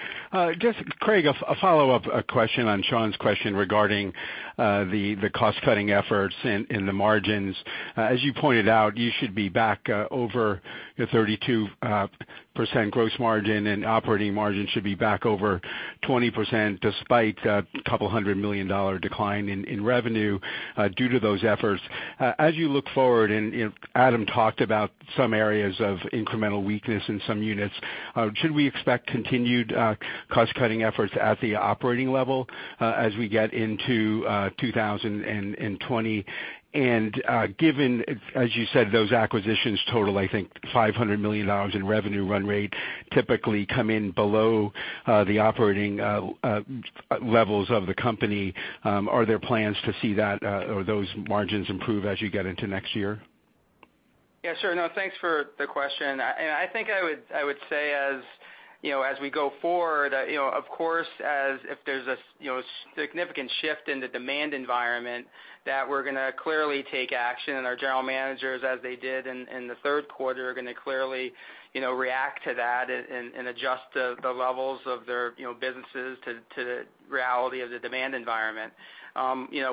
Just, Craig, a follow-up question on Shawn's question regarding the cost-cutting efforts and the margins. As you pointed out, you should be back over the 32% gross margin, and operating margin should be back over 20% despite a $200 million decline in revenue due to those efforts. As you look forward, and Adam talked about some areas of incremental weakness in some units, should we expect continued cost-cutting efforts at the operating level as we get into 2020? And given, as you said, those acquisitions total I think $500 million in revenue run rate, typically come in below the operating levels of the company, are there plans to see that or those margins improve as you get into next year? Yeah. Sure. No. Thanks for the question. I think I would say as we go forward, of course, if there's a significant shift in the demand environment, that we're going to clearly take action. Our general managers, as they did in the third quarter, are going to clearly react to that and adjust the levels of their businesses to the reality of the demand environment.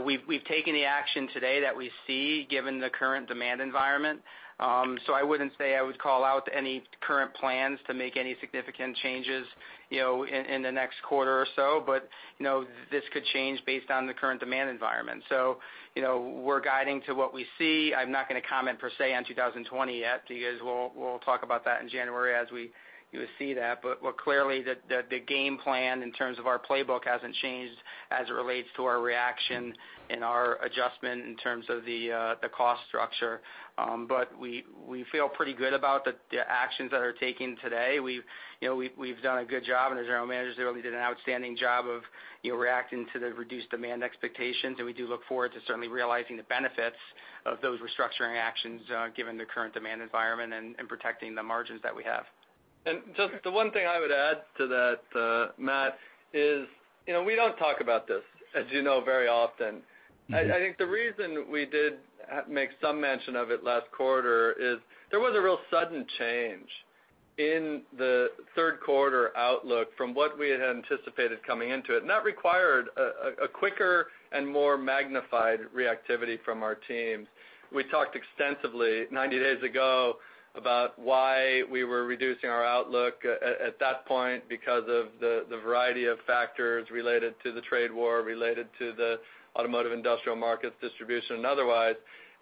We've taken the action today that we see given the current demand environment. I wouldn't say I would call out any current plans to make any significant changes in the next quarter or so, but this could change based on the current demand environment. We're guiding to what we see. I'm not going to comment per se on 2020 yet because we'll talk about that in January as we see that. But clearly, the game plan in terms of our playbook hasn't changed as it relates to our reaction and our adjustment in terms of the cost structure. But we feel pretty good about the actions that are taken today. We've done a good job, and our general managers really did an outstanding job of reacting to the reduced demand expectations. And we do look forward to certainly realizing the benefits of those restructuring actions given the current demand environment and protecting the margins that we have. And just the one thing I would add to that, Matt, is we don't talk about this, as you know, very often. I think the reason we did make some mention of it last quarter is there was a real sudden change in the third quarter outlook from what we had anticipated coming into it. That required a quicker and more magnified reactivity from our teams. We talked extensively 90 days ago about why we were reducing our outlook at that point because of the variety of factors related to the trade war, related to the automotive industrial markets, distribution, and otherwise.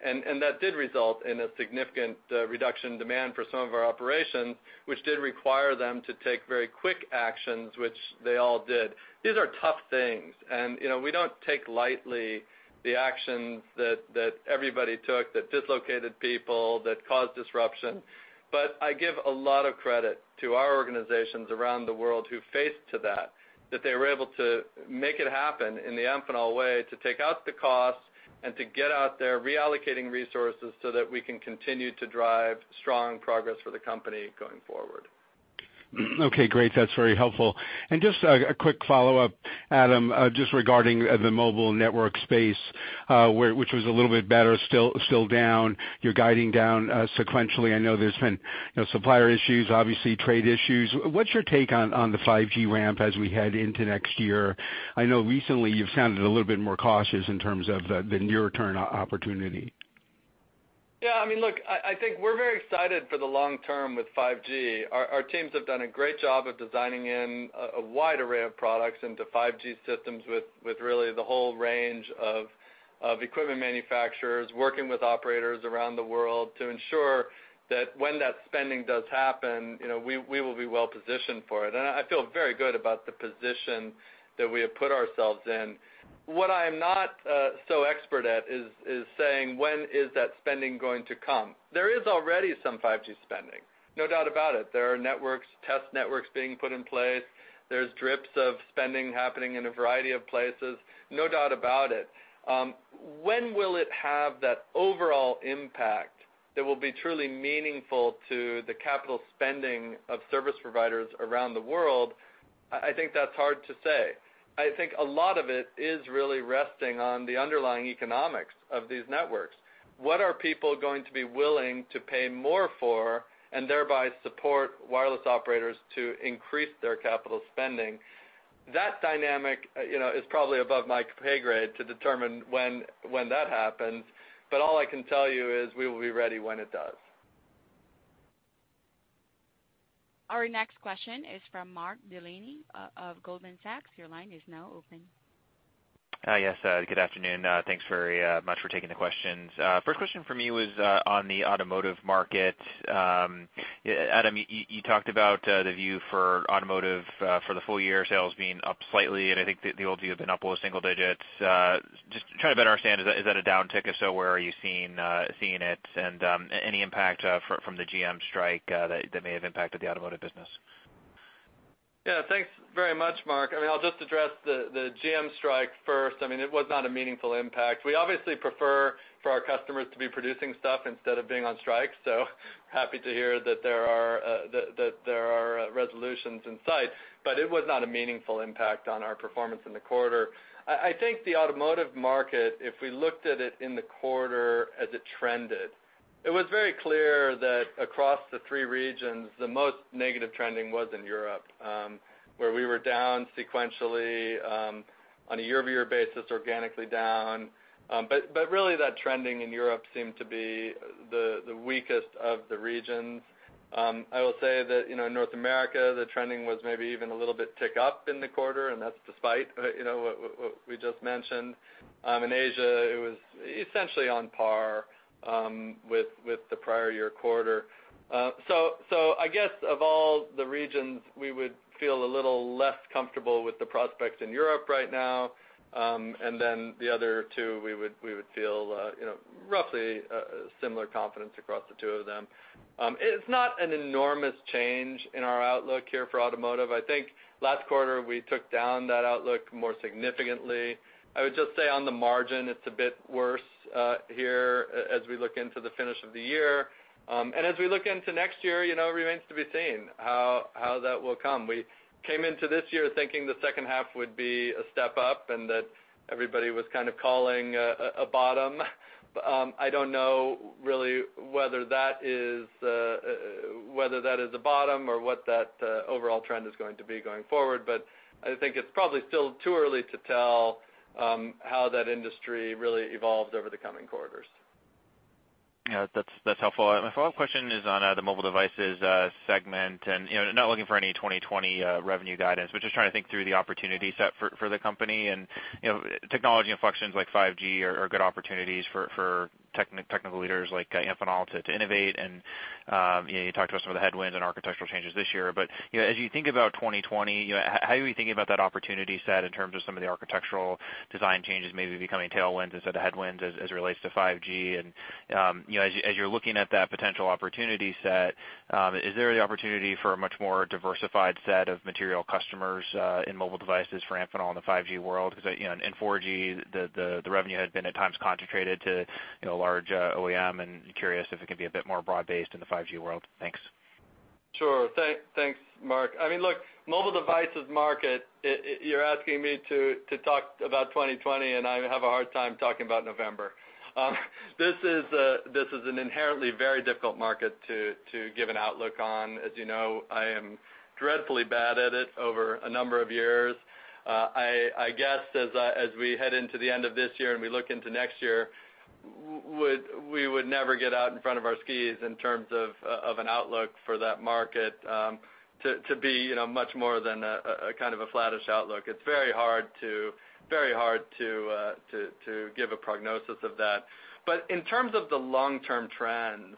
That did result in a significant reduction in demand for some of our operations, which did require them to take very quick actions, which they all did. These are tough things. We don't take lightly the actions that everybody took that dislocated people, that caused disruption. But I give a lot of credit to our organizations around the world who faced that, that they were able to make it happen in the Amphenol way to take out the costs and to get out there reallocating resources so that we can continue to drive strong progress for the company going forward. Okay. Great. That's very helpful. And just a quick follow-up, Adam, just regarding the mobile network space, which was a little bit better, still down. You're guiding down sequentially. I know there's been supplier issues, obviously trade issues. What's your take on the 5G ramp as we head into next year? I know recently you've sounded a little bit more cautious in terms of the near-term opportunity. Yeah. I mean, look, I think we're very excited for the long term with 5G. Our teams have done a great job of designing in a wide array of products into 5G systems with really the whole range of equipment manufacturers working with operators around the world to ensure that when that spending does happen, we will be well-positioned for it. And I feel very good about the position that we have put ourselves in. What I am not so expert at is saying when is that spending going to come. There is already some 5G spending, no doubt about it. There are test networks being put in place. There's drips of spending happening in a variety of places, no doubt about it. When will it have that overall impact that will be truly meaningful to the capital spending of service providers around the world? I think that's hard to say. I think a lot of it is really resting on the underlying economics of these networks. What are people going to be willing to pay more for and thereby support wireless operators to increase their capital spending? That dynamic is probably above my pay grade to determine when that happens. But all I can tell you is we will be ready when it does. Our next question is from Mark Delaney of Goldman Sachs. Your line is now open. Yes. Good afternoon. Thanks very much for taking the questions. First question for me was on the automotive market. Adam, you talked about the view for automotive for the full year sales being up slightly. And I think the old view had been up with single digits. Just trying to better understand, is that a downtick? If so, where are you seeing it? And any impact from the GM strike that may have impacted the automotive business? Yeah. Thanks very much, Mark. I mean, I'll just address the GM strike first. I mean, it was not a meaningful impact. We obviously prefer for our customers to be producing stuff instead of being on strike. So happy to hear that there are resolutions in sight. But it was not a meaningful impact on our performance in the quarter. I think the automotive market, if we looked at it in the quarter as it trended, it was very clear that across the three regions, the most negative trending was in Europe, where we were down sequentially on a year-over-year basis, organically down. But really, that trending in Europe seemed to be the weakest of the regions. I will say that in North America, the trending was maybe even a little bit tick up in the quarter. And that's despite what we just mentioned. In Asia, it was essentially on par with the prior year quarter. So I guess of all the regions, we would feel a little less comfortable with the prospect in Europe right now. And then the other two, we would feel roughly similar confidence across the two of them. It's not an enormous change in our outlook here for automotive. I think last quarter, we took down that outlook more significantly. I would just say on the margin, it's a bit worse here as we look into the finish of the year. As we look into next year, it remains to be seen how that will come. We came into this year thinking the second half would be a step up and that everybody was kind of calling a bottom. I don't know really whether that is a bottom or what that overall trend is going to be going forward. I think it's probably still too early to tell how that industry really evolves over the coming quarters. Yeah. That's helpful. My follow-up question is on the mobile devices segment. Not looking for any 2020 revenue guidance, but just trying to think through the opportunity set for the company. Technology inflections like 5G are good opportunities for technical leaders like Amphenol to innovate. You talked about some of the headwinds and architectural changes this year. As you think about 2020, how are you thinking about that opportunity set in terms of some of the architectural design changes maybe becoming tailwinds instead of headwinds as it relates to 5G? As you're looking at that potential opportunity set, is there the opportunity for a much more diversified set of material customers in mobile devices for Amphenol in the 5G world? Because in 4G, the revenue had been at times concentrated to a large OEM and curious if it can be a bit more broad-based in the 5G world. Thanks. Sure. Thanks, Mark. I mean, look, mobile devices market, you're asking me to talk about 2020, and I have a hard time talking about November. This is an inherently very difficult market to give an outlook on. As you know, I am dreadfully bad at it over a number of years. I guess as we head into the end of this year and we look into next year, we would never get out in front of our skis in terms of an outlook for that market to be much more than a kind of a flattish outlook. It's very hard to give a prognosis of that. But in terms of the long-term trends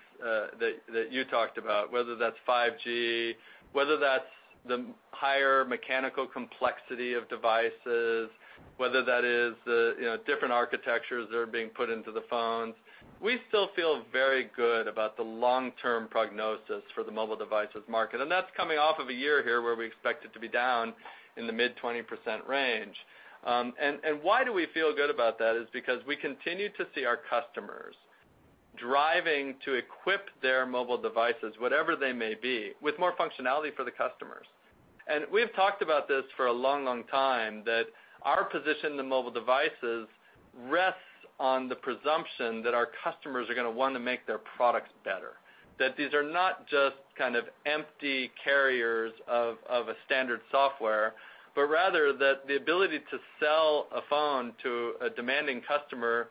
that you talked about, whether that's 5G, whether that's the higher mechanical complexity of devices, whether that is the different architectures that are being put into the phones, we still feel very good about the long-term prognosis for the mobile devices market. And that's coming off of a year here where we expect it to be down in the mid-20% range. And why do we feel good about that is because we continue to see our customers driving to equip their mobile devices, whatever they may be, with more functionality for the customers. And we've talked about this for a long, long time that our position in the mobile devices rests on the presumption that our customers are going to want to make their products better, that these are not just kind of empty carriers of a standard software, but rather that the ability to sell a phone to a demanding customer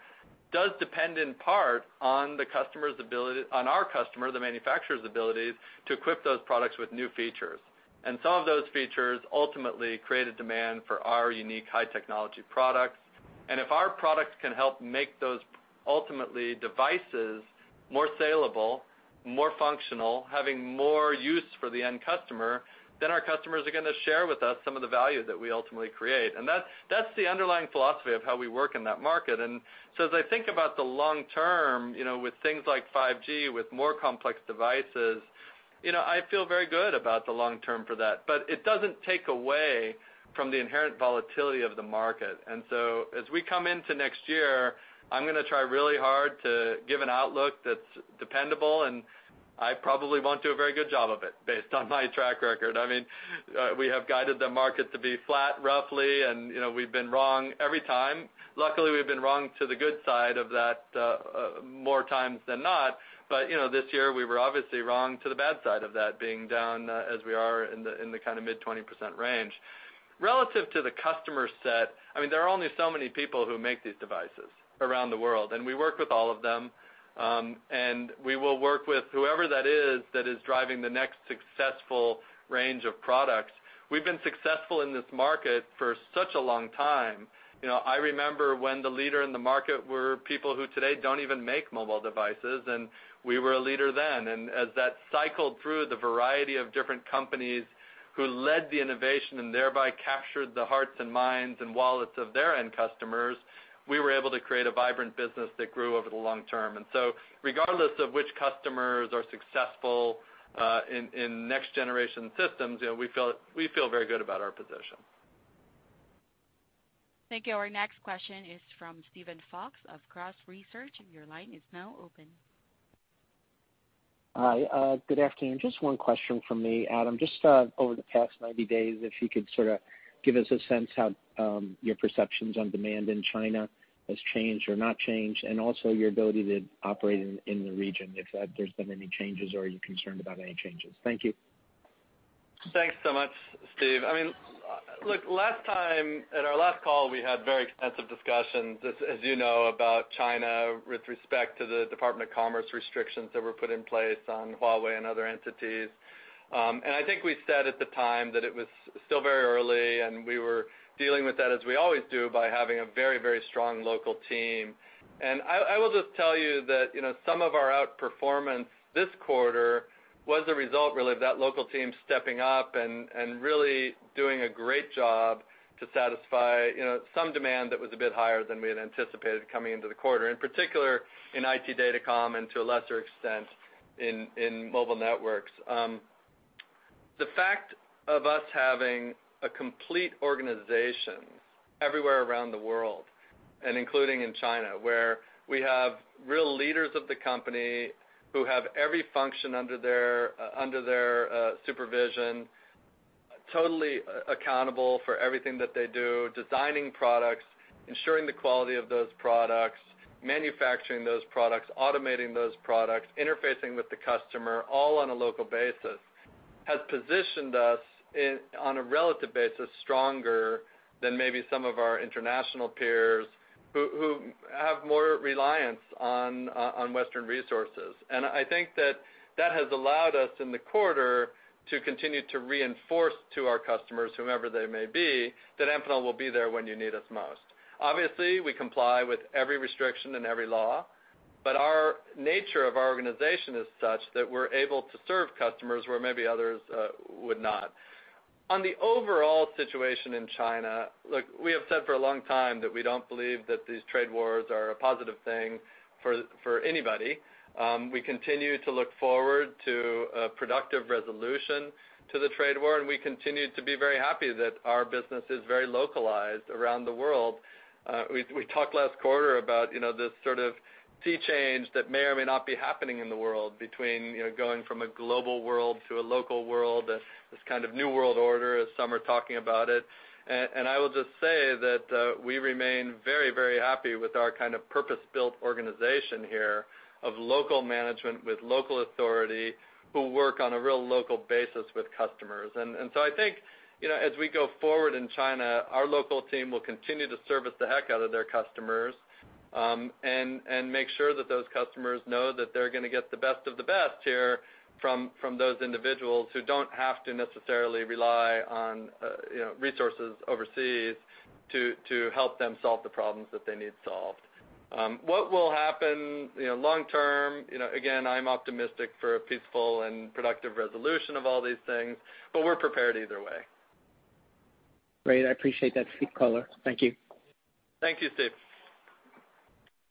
does depend in part on the customer's ability, on our customer, the manufacturer's abilities to equip those products with new features. And some of those features ultimately create a demand for our unique high-technology products. And if our products can help make those ultimately devices more saleable, more functional, having more use for the end customer, then our customers are going to share with us some of the value that we ultimately create. And that's the underlying philosophy of how we work in that market. And so as I think about the long term with things like 5G, with more complex devices, I feel very good about the long term for that. But it doesn't take away from the inherent volatility of the market. And so as we come into next year, I'm going to try really hard to give an outlook that's dependable. And I probably won't do a very good job of it based on my track record. I mean, we have guided the market to be flat roughly, and we've been wrong every time. Luckily, we've been wrong to the good side of that more times than not. But this year, we were obviously wrong to the bad side of that, being down as we are in the kind of mid-20% range. Relative to the customer set, I mean, there are only so many people who make these devices around the world. And we work with all of them. And we will work with whoever that is that is driving the next successful range of products. We've been successful in this market for such a long time. I remember when the leader in the market were people who today don't even make mobile devices. And we were a leader then. As that cycled through the variety of different companies who led the innovation and thereby captured the hearts and minds and wallets of their end customers, we were able to create a vibrant business that grew over the long term. So regardless of which customers are successful in next-generation systems, we feel very good about our position. Thank you. Our next question is from Steven Fox of Cross Research. Your line is now open. Hi. Good afternoon. Just one question for me, Adam. Just over the past 90 days, if you could sort of give us a sense how your perceptions on demand in China has changed or not changed, and also your ability to operate in the region, if there's been any changes or you're concerned about any changes. Thank you. Thanks so much, Steve. I mean, look, last time at our last call, we had very extensive discussions, as you know, about China with respect to the Department of Commerce restrictions that were put in place on Huawei and other entities. I think we said at the time that it was still very early. We were dealing with that, as we always do, by having a very, very strong local team. I will just tell you that some of our outperformance this quarter was a result really of that local team stepping up and really doing a great job to satisfy some demand that was a bit higher than we had anticipated coming into the quarter, in particular in IT data comm and to a lesser extent in mobile networks. The fact of us having a complete organization everywhere around the world, and including in China, where we have real leaders of the company who have every function under their supervision, totally accountable for everything that they do, designing products, ensuring the quality of those products, manufacturing those products, automating those products, interfacing with the customer all on a local basis, has positioned us on a relative basis stronger than maybe some of our international peers who have more reliance on Western resources. And I think that that has allowed us in the quarter to continue to reinforce to our customers, whomever they may be, that Amphenol will be there when you need us most. Obviously, we comply with every restriction and every law. But our nature of our organization is such that we're able to serve customers where maybe others would not. On the overall situation in China, look, we have said for a long time that we don't believe that these trade wars are a positive thing for anybody. We continue to look forward to a productive resolution to the trade war. And we continue to be very happy that our business is very localized around the world. We talked last quarter about this sort of sea change that may or may not be happening in the world between going from a global world to a local world, this kind of new world order as some are talking about it. And I will just say that we remain very, very happy with our kind of purpose-built organization here of local management with local authority who work on a real local basis with customers. And so I think as we go forward in China, our local team will continue to service the heck out of their customers and make sure that those customers know that they're going to get the best of the best here from those individuals who don't have to necessarily rely on resources overseas to help them solve the problems that they need solved. What will happen long term? Again, I'm optimistic for a peaceful and productive resolution of all these things. But we're prepared either way. Great. I appreciate that color Thank you. Thank you, Steve.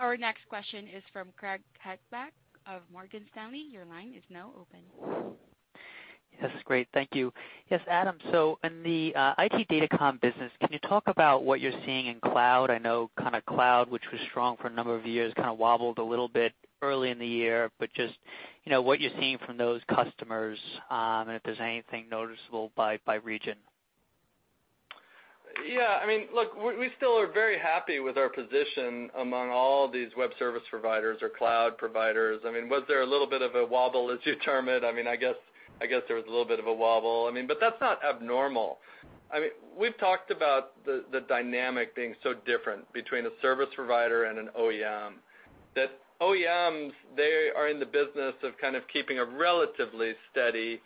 Our next question is from Craig Hettenbach of Morgan Stanley. Your line is now open. Yes. Great. Thank you. Yes, Adam. So in the IT data comm business, can you talk about what you're seeing in cloud? I know, kind of, the cloud, which was strong for a number of years, kind of wobbled a little bit early in the year. But just what you're seeing from those customers and if there's anything noticeable by region. Yeah. I mean, look, we still are very happy with our position among all these web service providers or cloud providers. I mean, was there a little bit of a wobble, as you term it? I mean, I guess there was a little bit of a wobble. I mean, but that's not abnormal. I mean, we've talked about the dynamic being so different between a service provider and an OEM, that OEMs, they are in the business of kind of keeping a relatively steady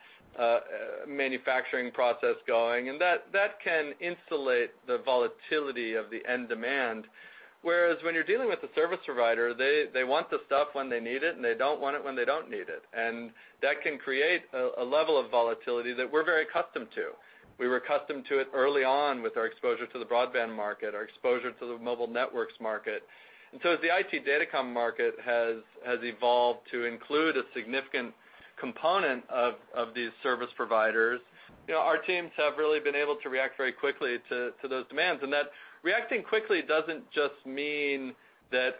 manufacturing process going. And that can insulate the volatility of the end demand. Whereas when you're dealing with a service provider, they want the stuff when they need it, and they don't want it when they don't need it. That can create a level of volatility that we're very accustomed to. We were accustomed to it early on with our exposure to the broadband market, our exposure to the mobile networks market. So as the IT data comm market has evolved to include a significant component of these service providers, our teams have really been able to react very quickly to those demands. That reacting quickly doesn't just mean that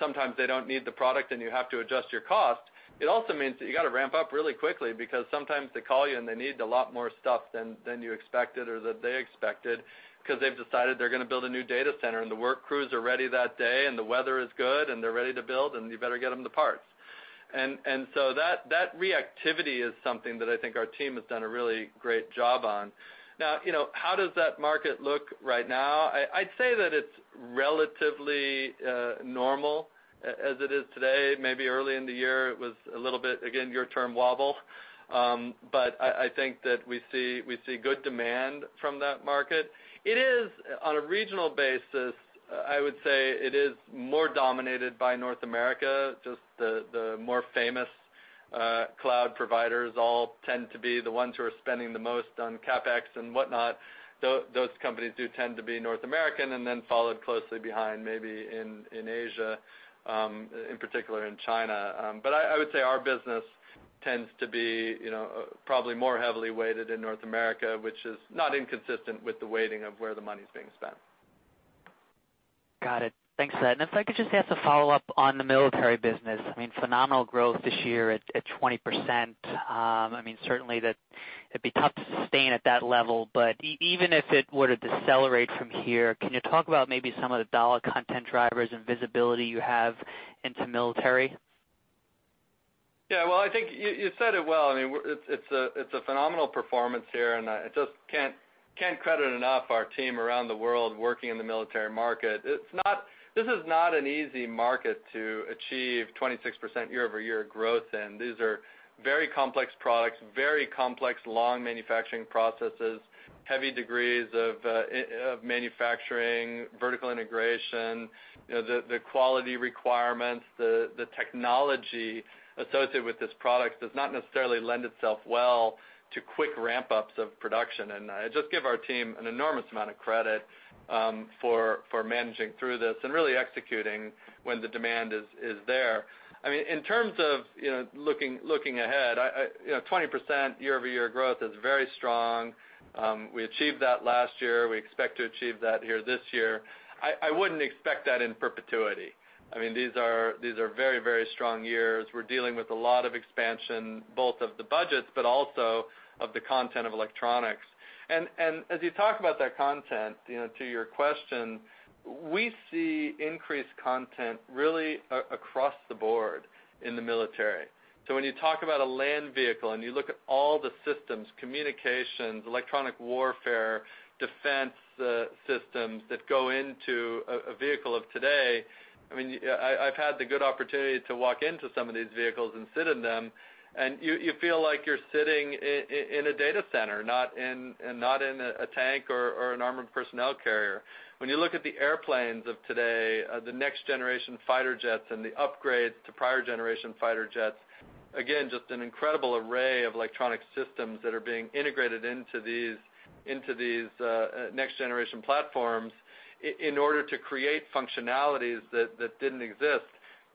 sometimes they don't need the product and you have to adjust your cost. It also means that you got to ramp up really quickly because sometimes they call you and they need a lot more stuff than you expected or that they expected because they've decided they're going to build a new data center. The work crews are ready that day. The weather is good. They're ready to build. You better get them the parts. So that reactivity is something that I think our team has done a really great job on. Now, how does that market look right now? I'd say that it's relatively normal as it is today. Maybe early in the year, it was a little bit, again, your term, wobble. I think that we see good demand from that market. It is, on a regional basis, I would say it is more dominated by North America. Just the more famous cloud providers all tend to be the ones who are spending the most on CapEx and whatnot. Those companies do tend to be North American and then followed closely behind maybe in Asia, in particular in China. But I would say our business tends to be probably more heavily weighted in North America, which is not inconsistent with the weighting of where the money's being spent. Got it. Thanks for that. And if I could just ask a follow-up on the military business. I mean, phenomenal growth this year at 20%. I mean, certainly that it'd be tough to sustain at that level. But even if it were to decelerate from here, can you talk about maybe some of the dollar content drivers and visibility you have into military? Yeah. Well, I think you said it well. I mean, it's a phenomenal performance here. I just can't credit enough our team around the world working in the military market. This is not an easy market to achieve 26% year-over-year growth in. These are very complex products, very complex long manufacturing processes, heavy degrees of manufacturing, vertical integration. The quality requirements, the technology associated with this product does not necessarily lend itself well to quick ramp-ups of production. I just give our team an enormous amount of credit for managing through this and really executing when the demand is there. I mean, in terms of looking ahead, 20% year-over-year growth is very strong. We achieved that last year. We expect to achieve that here this year. I wouldn't expect that in perpetuity. I mean, these are very, very strong years. We're dealing with a lot of expansion, both of the budgets but also of the content of electronics. As you talk about that content, to your question, we see increased content really across the board in the military. When you talk about a land vehicle and you look at all the systems, communications, electronic warfare, defense systems that go into a vehicle of today, I mean, I've had the good opportunity to walk into some of these vehicles and sit in them. You feel like you're sitting in a data center, not in a tank or an armored personnel carrier. When you look at the airplanes of today, the next-generation fighter jets and the upgrades to prior-generation fighter jets, again, just an incredible array of electronic systems that are being integrated into these next-generation platforms in order to create functionalities that didn't exist.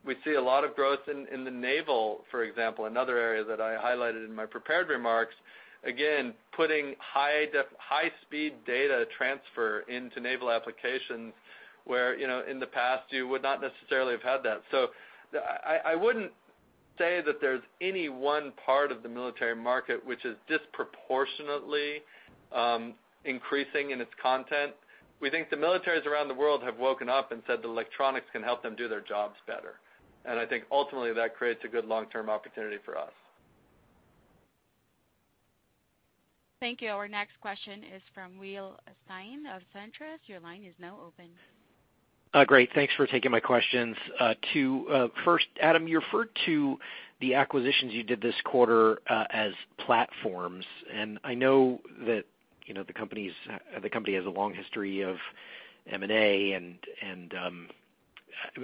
We see a lot of growth in the naval, for example, another area that I highlighted in my prepared remarks. Again, putting high-speed data transfer into Naval applications where in the past you would not necessarily have had that. So I wouldn't say that there's any one part of the military market which is disproportionately increasing in its content. We think the militaries around the world have woken up and said the electronics can help them do their jobs better. And I think ultimately that creates a good long-term opportunity for us. Thank you. Our next question is from Will Stein of Truist. Your line is now open. Great. Thanks for taking my questions. First, Adam, you referred to the acquisitions you did this quarter as platforms. And I know that the company has a long history of M&A. And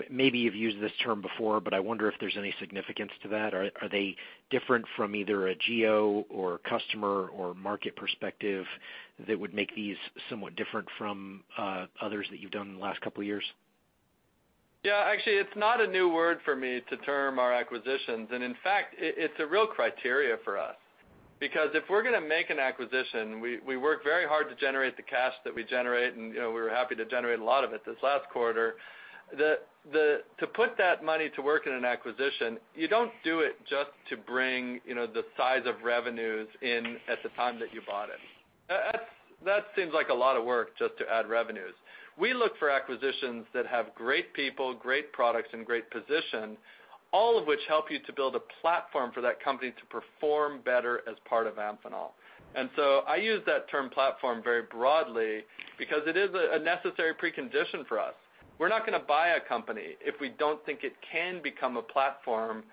maybe you've used this term before, but I wonder if there's any significance to that. Are they different from either a geo or customer or market perspective that would make these somewhat different from others that you've done in the last couple of years? Yeah. Actually, it's not a new word for me to term our acquisitions. And in fact, it's a real criteria for us. Because if we're going to make an acquisition, we work very hard to generate the cash that we generate. And we were happy to generate a lot of it this last quarter. To put that money to work in an acquisition, you don't do it just to bring the size of revenues in at the time that you bought it. That seems like a lot of work just to add revenues. We look for acquisitions that have great people, great products, and great position, all of which help you to build a platform for that company to perform better as part of Amphenol. And so I use that term platform very broadly because it is a necessary precondition for us. We're not going to buy a company if we don't think it can become a platform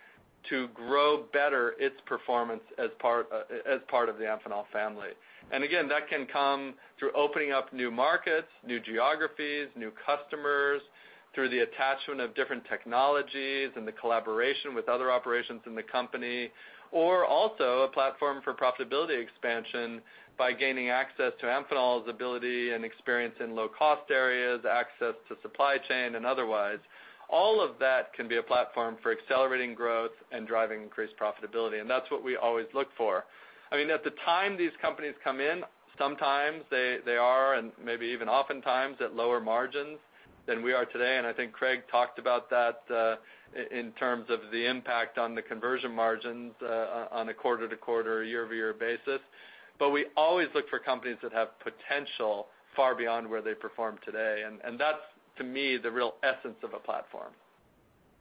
to grow better its performance as part of the Amphenol family. And again, that can come through opening up new markets, new geographies, new customers, through the attachment of different technologies and the collaboration with other operations in the company, or also a platform for profitability expansion by gaining access to Amphenol's ability and experience in low-cost areas, access to supply chain and otherwise. All of that can be a platform for accelerating growth and driving increased profitability. And that's what we always look for. I mean, at the time these companies come in, sometimes they are, and maybe even oftentimes, at lower margins than we are today. And I think Craig talked about that in terms of the impact on the conversion margins on a quarter-to-quarter, year-over-year basis. But we always look for companies that have potential far beyond where they perform today. And that's, to me, the real essence of a platform.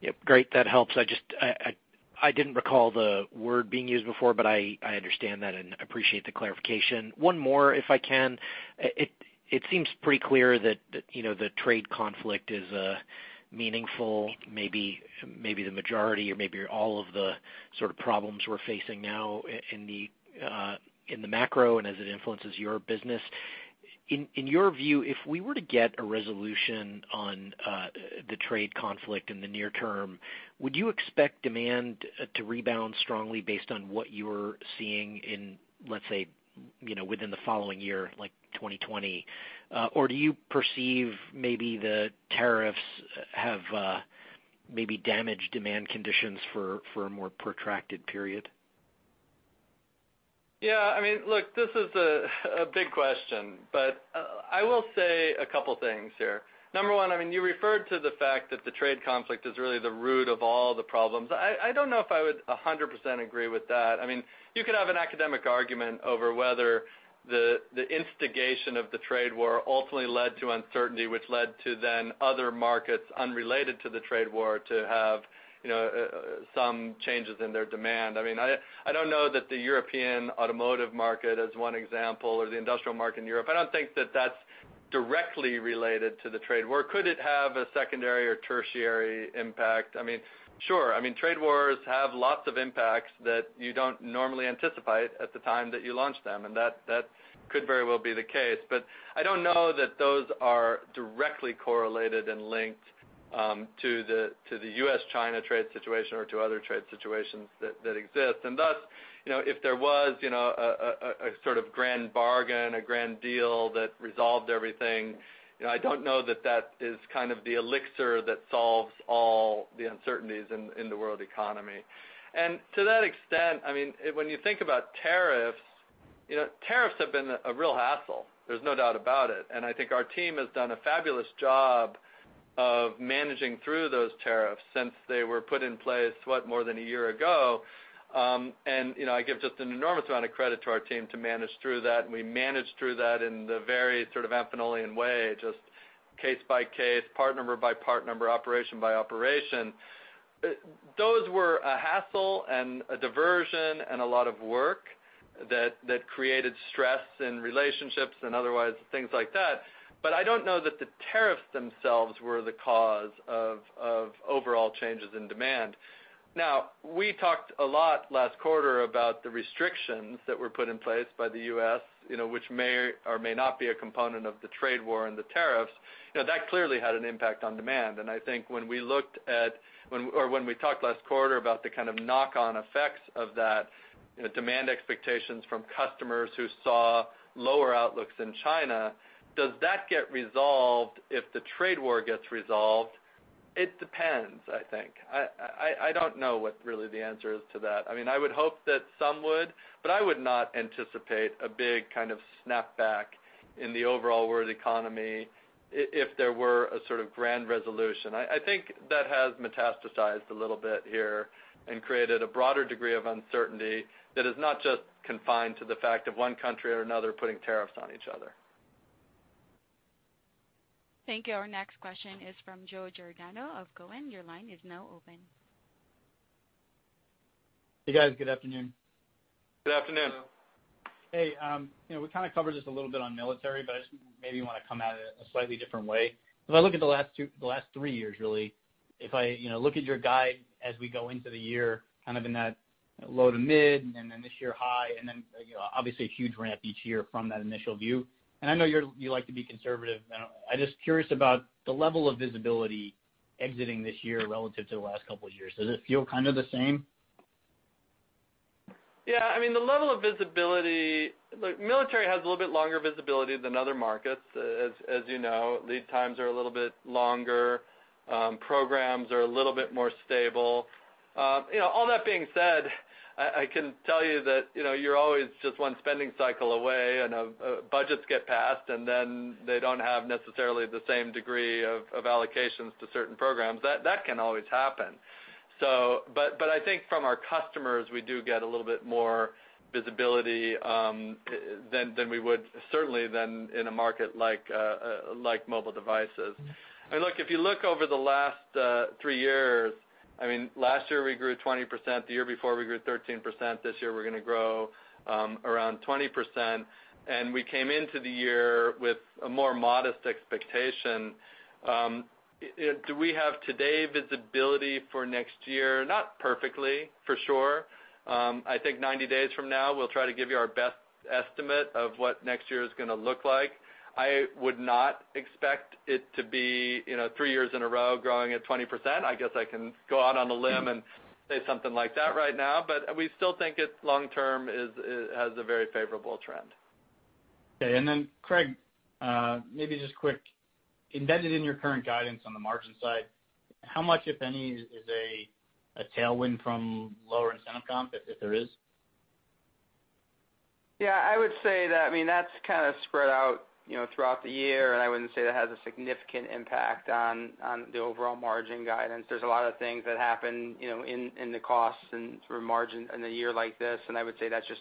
Yep. Great. That helps. I didn't recall the word being used before, but I understand that and appreciate the clarification. One more, if I can. It seems pretty clear that the trade conflict is meaningful. Maybe the majority or maybe all of the sort of problems we're facing now in the macro and as it influences your business. In your view, if we were to get a resolution on the trade conflict in the near term, would you expect demand to rebound strongly based on what you're seeing in, let's say, within the following year, like 2020? Or do you perceive maybe the tariffs have maybe damaged demand conditions for a more protracted period? Yeah. I mean, look, this is a big question. But I will say a couple of things here. Number one, I mean, you referred to the fact that the trade conflict is really the root of all the problems. I don't know if I would 100% agree with that. I mean, you could have an academic argument over whether the instigation of the trade war ultimately led to uncertainty, which led to then other markets unrelated to the trade war to have some changes in their demand. I mean, I don't know that the European automotive market, as one example, or the industrial market in Europe, I don't think that that's directly related to the trade war. Could it have a secondary or tertiary impact? I mean, sure. I mean, trade wars have lots of impacts that you don't normally anticipate at the time that you launch them. And that could very well be the case. But I don't know that those are directly correlated and linked to the U.S.-China trade situation or to other trade situations that exist. And thus, if there was a sort of grand bargain, a grand deal that resolved everything, I don't know that that is kind of the elixir that solves all the uncertainties in the world economy. And to that extent, I mean, when you think about tariffs, tariffs have been a real hassle. There's no doubt about it. And I think our team has done a fabulous job of managing through those tariffs since they were put in place, what, more than a year ago. And I give just an enormous amount of credit to our team to manage through that. And we managed through that in the very sort of amphenolian way, just case by case, part number by part number, operation by operation. Those were a hassle and a diversion and a lot of work that created stress in relationships and otherwise things like that. But I don't know that the tariffs themselves were the cause of overall changes in demand. Now, we talked a lot last quarter about the restrictions that were put in place by the U.S., which may or may not be a component of the trade war and the tariffs. That clearly had an impact on demand. And I think when we looked at, or when we talked last quarter about the kind of knock-on effects of that, demand expectations from customers who saw lower outlooks in China, does that get resolved if the trade war gets resolved? It depends, I think. I don't know what really the answer is to that. I mean, I would hope that some would. But I would not anticipate a big kind of snapback in the overall world economy if there were a sort of grand resolution. I think that has metastasized a little bit here and created a broader degree of uncertainty that is not just confined to the fact of one country or another putting tariffs on each other. Thank you. Our next question is from Joe Giordano of Cowen. Your line is now open. Hey, guys. Good afternoon. Good afternoon. Hey. We kind of covered this a little bit on military, but I just maybe want to come at it a slightly different way. If I look at the last three years, really, if I look at your guide as we go into the year, kind of in that low to mid and then this year high, and then obviously a huge ramp each year from that initial view. And I know you like to be conservative. I'm just curious about the level of visibility exiting this year relative to the last couple of years. Does it feel kind of the same? Yeah. I mean, the level of visibility, look, military has a little bit longer visibility than other markets, as you know. Lead times are a little bit longer. Programs are a little bit more stable. All that being said, I can tell you that you're always just one spending cycle away, and budgets get passed, and then they don't have necessarily the same degree of allocations to certain programs. That can always happen. But I think from our customers, we do get a little bit more visibility than we would certainly then in a market like mobile devices. And look, if you look over the last three years, I mean, last year we grew 20%. The year before, we grew 13%. This year, we're going to grow around 20%. And we came into the year with a more modest expectation. Do we have today visibility for next year? Not perfectly, for sure. I think 90 days from now, we'll try to give you our best estimate of what next year is going to look like. I would not expect it to be three years in a row growing at 20%. I guess I can go out on a limb and say something like that right now. But we still think it long-term has a very favorable trend. Okay. And then, Craig, maybe just quick, embedded in your current guidance on the margin side, how much, if any, is a tailwind from lower incentive comp, if there is? Yeah. I would say that, I mean, that's kind of spread out throughout the year. And I wouldn't say that has a significant impact on the overall margin guidance. There's a lot of things that happen in the costs and through margin in a year like this. And I would say that's just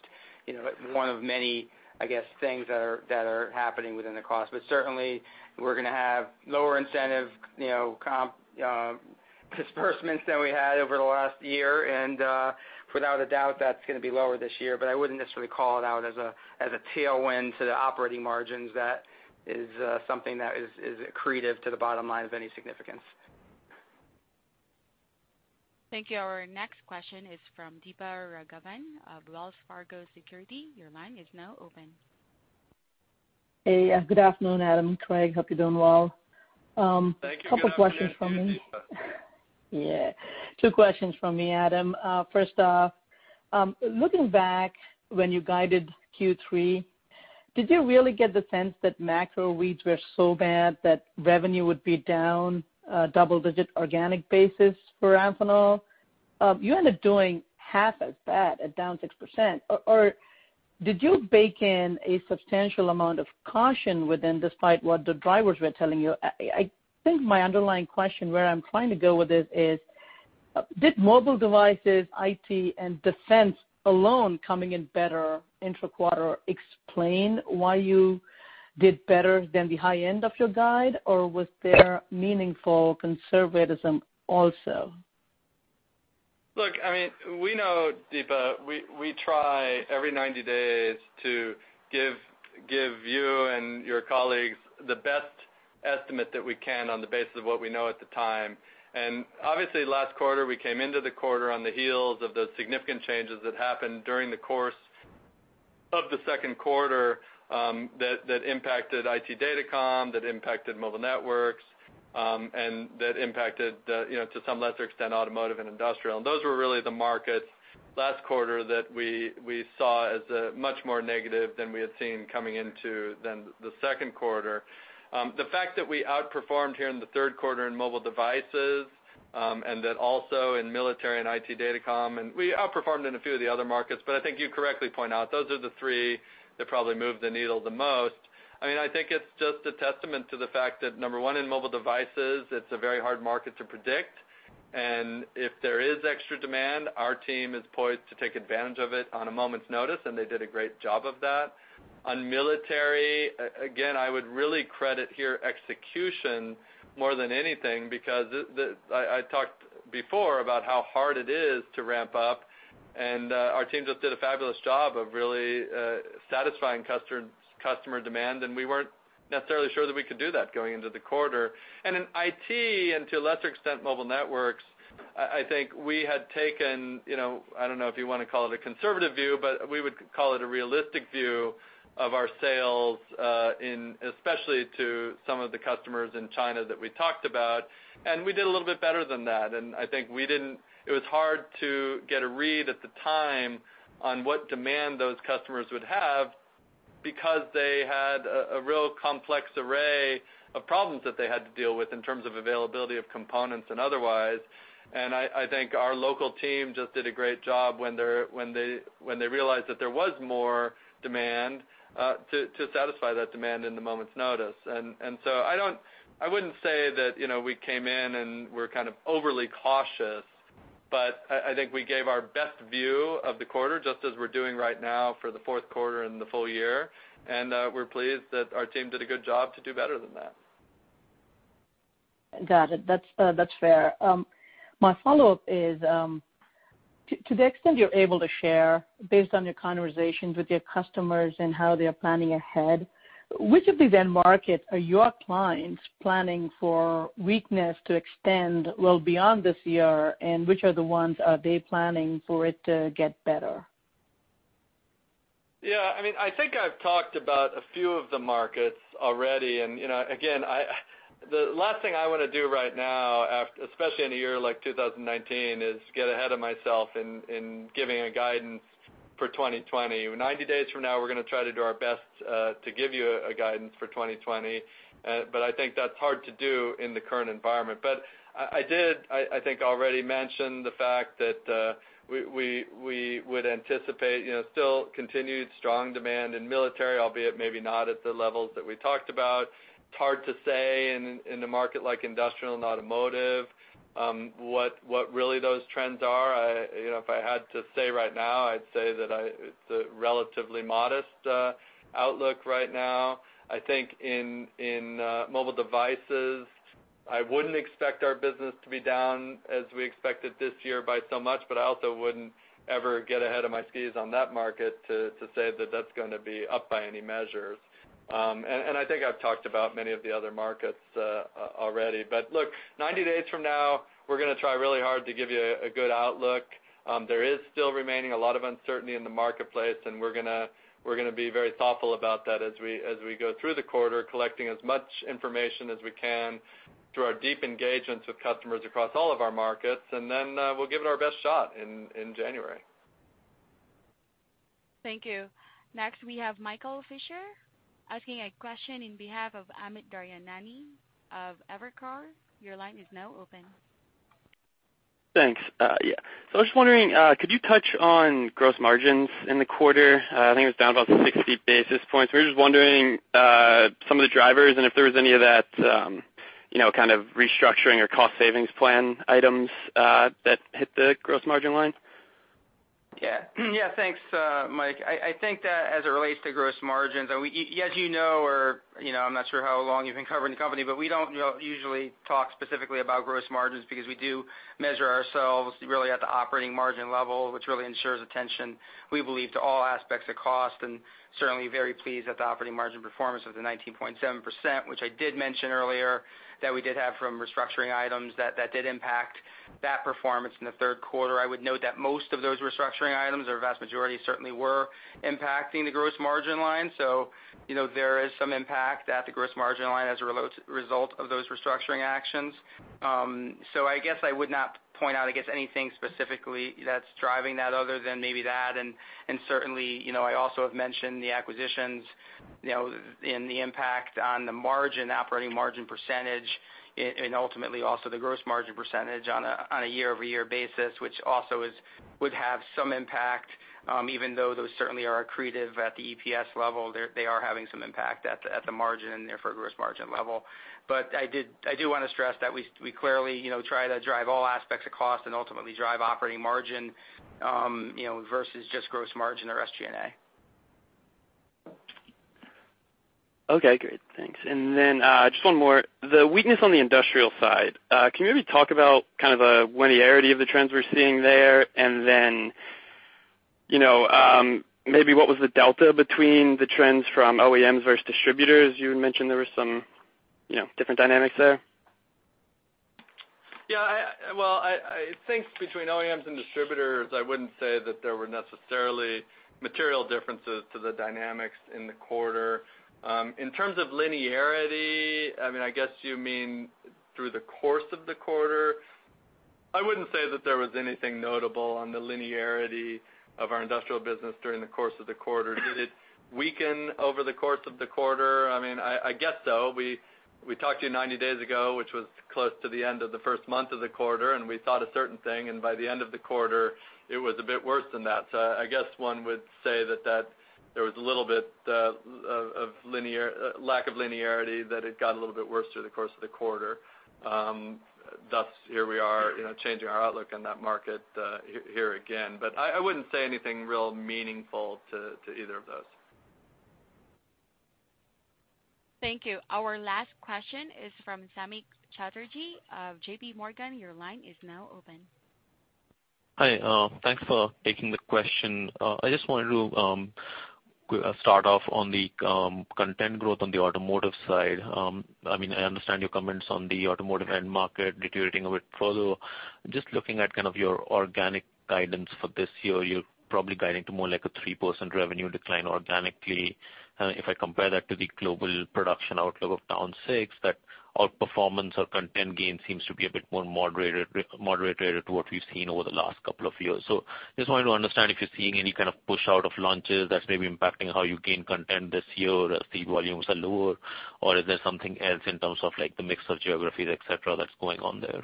one of many, I guess, things that are happening within the cost. But certainly, we're going to have lower incentive comp disbursements than we had over the last year. And without a doubt, that's going to be lower this year. But I wouldn't necessarily call it out as a tailwind to the operating margins. That is something that is accretive to the bottom line of any significance. Thank you. Our next question is from Deepa Raghavan of Wells Fargo Securities. Your line is now open. Hey. Good afternoon, Adam. Craig, hope you're doing well. Thank you. A couple of questions from me. Yeah. Two questions from me, Adam. First off, looking back when you guided Q3, did you really get the sense that macro reads were so bad that revenue would be down double-digit organic basis for Amphenol? You ended up doing half as bad, a down 6%. Or did you bake in a substantial amount of caution within despite what the drivers were telling you? I think my underlying question where I'm trying to go with this is, did mobile devices, IT, and defense alone coming in better intra-quarter explain why you did better than the high end of your guide? Or was there meaningful conservatism also? Look, I mean, we know, Deepa, we try every 90 days to give you and your colleagues the best estimate that we can on the basis of what we know at the time. And obviously, last quarter, we came into the quarter on the heels of the significant changes that happened during the course of the second quarter that impacted IT datacom, that impacted mobile networks, and that impacted, to some lesser extent, automotive and industrial. And those were really the markets last quarter that we saw as much more negative than we had seen coming into the second quarter. The fact that we outperformed here in the third quarter in mobile devices and that also in military and IT data comp, and we outperformed in a few of the other markets. But I think you correctly point out those are the three that probably moved the needle the most. I mean, I think it's just a testament to the fact that, number one, in mobile devices, it's a very hard market to predict. And if there is extra demand, our team is poised to take advantage of it on a moment's notice. And they did a great job of that. On military, again, I would really credit here execution more than anything because I talked before about how hard it is to ramp up. Our team just did a fabulous job of really satisfying customer demand. We weren't necessarily sure that we could do that going into the quarter. In IT, and to a lesser extent, mobile networks, I think we had taken—I don't know if you want to call it a conservative view, but we would call it a realistic view—of our sales, especially to some of the customers in China that we talked about. We did a little bit better than that. I think it was hard to get a read at the time on what demand those customers would have because they had a real complex array of problems that they had to deal with in terms of availability of components and otherwise. I think our local team just did a great job when they realized that there was more demand to satisfy that demand on a moment's notice. So I wouldn't say that we came in and were kind of overly cautious. But I think we gave our best view of the quarter, just as we're doing right now for the fourth quarter in the full year. We're pleased that our team did a good job to do better than that. Got it. That's fair. My follow-up is, to the extent you're able to share, based on your conversations with your customers and how they are planning ahead, which of the end markets are your clients planning for weakness to extend well beyond this year? And which are the ones are they planning for it to get better? Yeah. I mean, I think I've talked about a few of the markets already. Again, the last thing I want to do right now, especially in a year like 2019, is get ahead of myself in giving a guidance for 2020. 90 days from now, we're going to try to do our best to give you a guidance for 2020. But I think that's hard to do in the current environment. But I did, I think, already mention the fact that we would anticipate still continued strong demand in military, albeit maybe not at the levels that we talked about. It's hard to say in a market like industrial and automotive what really those trends are. If I had to say right now, I'd say that it's a relatively modest outlook right now. I think in mobile devices, I wouldn't expect our business to be down as we expected this year by so much. But I also wouldn't ever get ahead of my skis on that market to say that that's going to be up by any measures. And I think I've talked about many of the other markets already. But look, 90 days from now, we're going to try really hard to give you a good outlook. There is still remaining a lot of uncertainty in the marketplace. And we're going to be very thoughtful about that as we go through the quarter, collecting as much information as we can through our deep engagements with customers across all of our markets. And then we'll give it our best shot in January. Thank you. Next, we have Michael Fisher asking a question on behalf of Amit Daryanani of Evercore. Your line is now open. Thanks. Yeah. So I was just wondering, could you touch on gross margins in the quarter? I think it was down about 60 basis points. We were just wondering some of the drivers and if there was any of that kind of restructuring or cost savings plan items that hit the gross margin line. Yeah. Yeah. Thanks, Mike. I think that as it relates to gross margins, as you know, or I'm not sure how long you've been covering the company, but we don't usually talk specifically about gross margins because we do measure ourselves really at the operating margin level, which really ensures attention, we believe, to all aspects of cost. Certainly very pleased at the operating margin performance of the 19.7%, which I did mention earlier that we did have from restructuring items that did impact that performance in the third quarter. I would note that most of those restructuring items, or vast majority, certainly were impacting the gross margin line. So there is some impact at the gross margin line as a result of those restructuring actions. So I guess I would not point out, I guess, anything specifically that's driving that other than maybe that. And certainly, I also have mentioned the acquisitions and the impact on the margin, operating margin percentage, and ultimately also the gross margin percentage on a year-over-year basis, which also would have some impact. Even though those certainly are accretive at the EPS level, they are having some impact at the margin and therefore gross margin level. But I do want to stress that we clearly try to drive all aspects of cost and ultimately drive operating margin versus just gross margin or SG&A. Okay. Great. Thanks. And then just one more. The weakness on the industrial side, can you maybe talk about kind of the linearity of the trends we're seeing there? And then maybe what was the delta between the trends from OEMs versus distributors? You mentioned there were some different dynamics there. Yeah. Well, I think between OEMs and distributors, I wouldn't say that there were necessarily material differences to the dynamics in the quarter. In terms of linearity, I mean, I guess you mean through the course of the quarter, I wouldn't say that there was anything notable on the linearity of our industrial business during the course of the quarter. Did it weaken over the course of the quarter? I mean, I guess so. We talked to you 90 days ago, which was close to the end of the first month of the quarter, and we thought a certain thing. And by the end of the quarter, it was a bit worse than that. So I guess one would say that there was a little bit of lack of linearity, that it got a little bit worse through the course of the quarter. Thus, here we are changing our outlook on that market here again. But I wouldn't say anything real meaningful to either of those. Thank you. Our last question is from Samik Chatterjee of J.P. Morgan. Your line is now open. Hi. Thanks for taking the question. I just wanted to start off on the content growth on the automotive side. I mean, I understand your comments on the automotive end market deteriorating a bit further. Just looking at kind of your organic guidance for this year, you're probably guiding to more like a 3% revenue decline organically. If I compare that to the global production outlook down 6%, that outperformance or content gain seems to be a bit more moderated to what we've seen over the last couple of years. So just wanted to understand if you're seeing any kind of push out of launches that's maybe impacting how you gain content this year or see volumes are lower, or is there something else in terms of the mix of geographies, etc., that's going on there?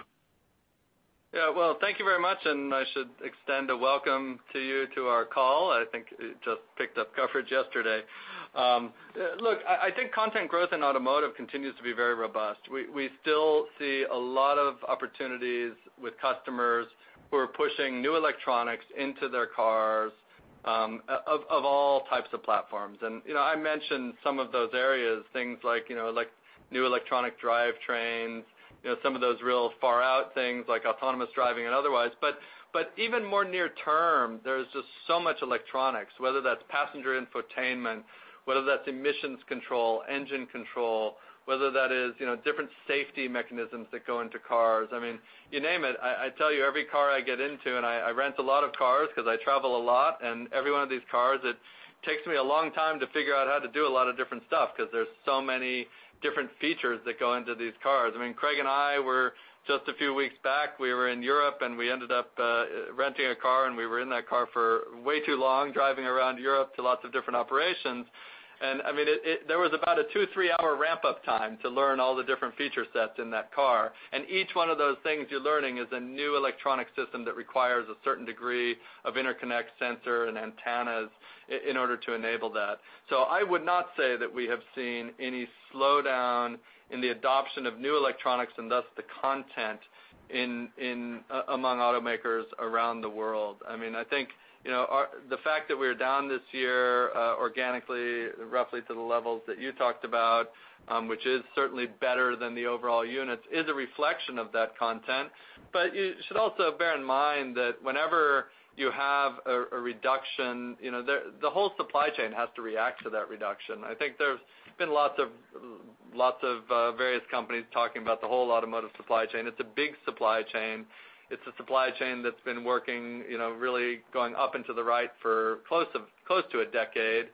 Yeah. Well, thank you very much. And I should extend a welcome to you to our call. I think it just picked up coverage yesterday. Look, I think content growth in automotive continues to be very robust. We still see a lot of opportunities with customers who are pushing new electronics into their cars of all types of platforms. I mentioned some of those areas, things like new electronic drivetrains, some of those real far-out things like autonomous driving and otherwise. But even more near term, there is just so much electronics, whether that's passenger infotainment, whether that's emissions control, engine control, whether that is different safety mechanisms that go into cars. I mean, you name it. I tell you, every car I get into, and I rent a lot of cars because I travel a lot. And every one of these cars, it takes me a long time to figure out how to do a lot of different stuff because there's so many different features that go into these cars. I mean, Craig and I, just a few weeks back, we were in Europe, and we ended up renting a car. And we were in that car for way too long, driving around Europe to lots of different operations. And I mean, there was about a 2-3-hour ramp-up time to learn all the different feature sets in that car. And each one of those things you're learning is a new electronic system that requires a certain degree of interconnect sensor and antennas in order to enable that. So I would not say that we have seen any slowdown in the adoption of new electronics and thus the content among automakers around the world. I mean, I think the fact that we're down this year organically, roughly to the levels that you talked about, which is certainly better than the overall units, is a reflection of that content. But you should also bear in mind that whenever you have a reduction, the whole supply chain has to react to that reduction. I think there's been lots of various companies talking about the whole automotive supply chain. It's a big supply chain. It's a supply chain that's been working really going up and to the right for close to a decade.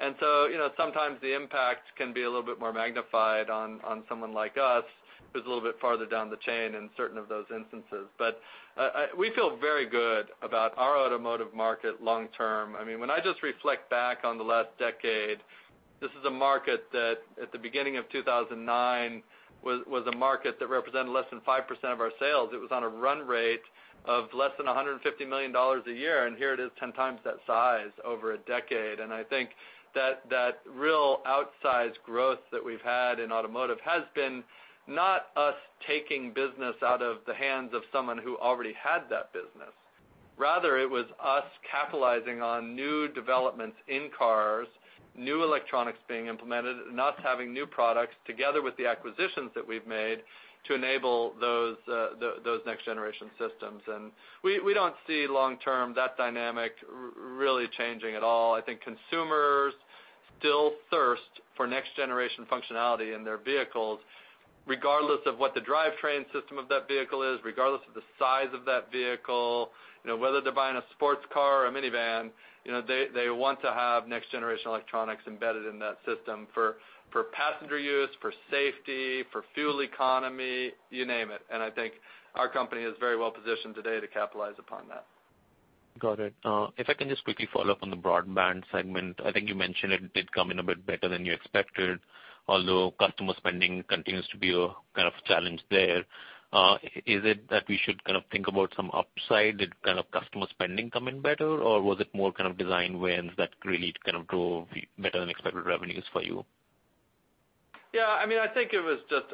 And so sometimes the impact can be a little bit more magnified on someone like us who's a little bit farther down the chain in certain of those instances. But we feel very good about our automotive market long-term. I mean, when I just reflect back on the last decade, this is a market that at the beginning of 2009 was a market that represented less than 5% of our sales. It was on a run rate of less than $150 million a year. And here it is, 10 times that size over a decade. I think that real outsized growth that we've had in automotive has been not us taking business out of the hands of someone who already had that business. Rather, it was us capitalizing on new developments in cars, new electronics being implemented, and us having new products together with the acquisitions that we've made to enable those next-generation systems. We don't see long-term that dynamic really changing at all. I think consumers still thirst for next-generation functionality in their vehicles, regardless of what the drivetrain system of that vehicle is, regardless of the size of that vehicle. Whether they're buying a sports car or a minivan, they want to have next-generation electronics embedded in that system for passenger use, for safety, for fuel economy, you name it. I think our company is very well positioned today to capitalize upon that. Got it. If I can just quickly follow up on the broadband segment, I think you mentioned it did come in a bit better than you expected, although customer spending continues to be a kind of challenge there. Is it that we should kind of think about some upside? Did kind of customer spending come in better, or was it more kind of design wins that really kind of drove better-than-expected revenues for you? Yeah. I mean, I think it was just,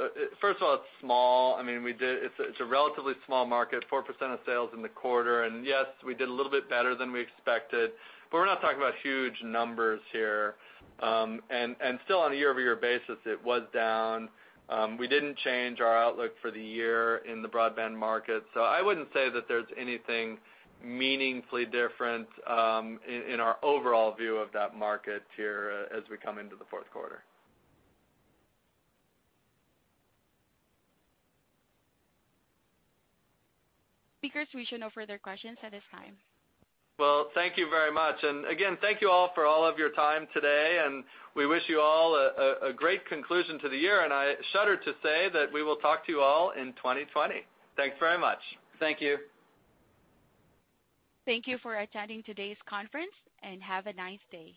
first of all, it's small. I mean, it's a relatively small market, 4% of sales in the quarter. And yes, we did a little bit better than we expected. But we're not talking about huge numbers here. And still, on a year-over-year basis, it was down. We didn't change our outlook for the year in the broadband market. So I wouldn't say that there's anything meaningfully different in our overall view of that market here as we come into the fourth quarter. Operator, there are no further questions at this time. Well, thank you very much. And again, thank you all for all of your time today. And we wish you all a great conclusion to the year. And I shudder to say that we will talk to you all in 2020. Thanks very much. Thank you. Thank you for attending today's conference, and have a nice day.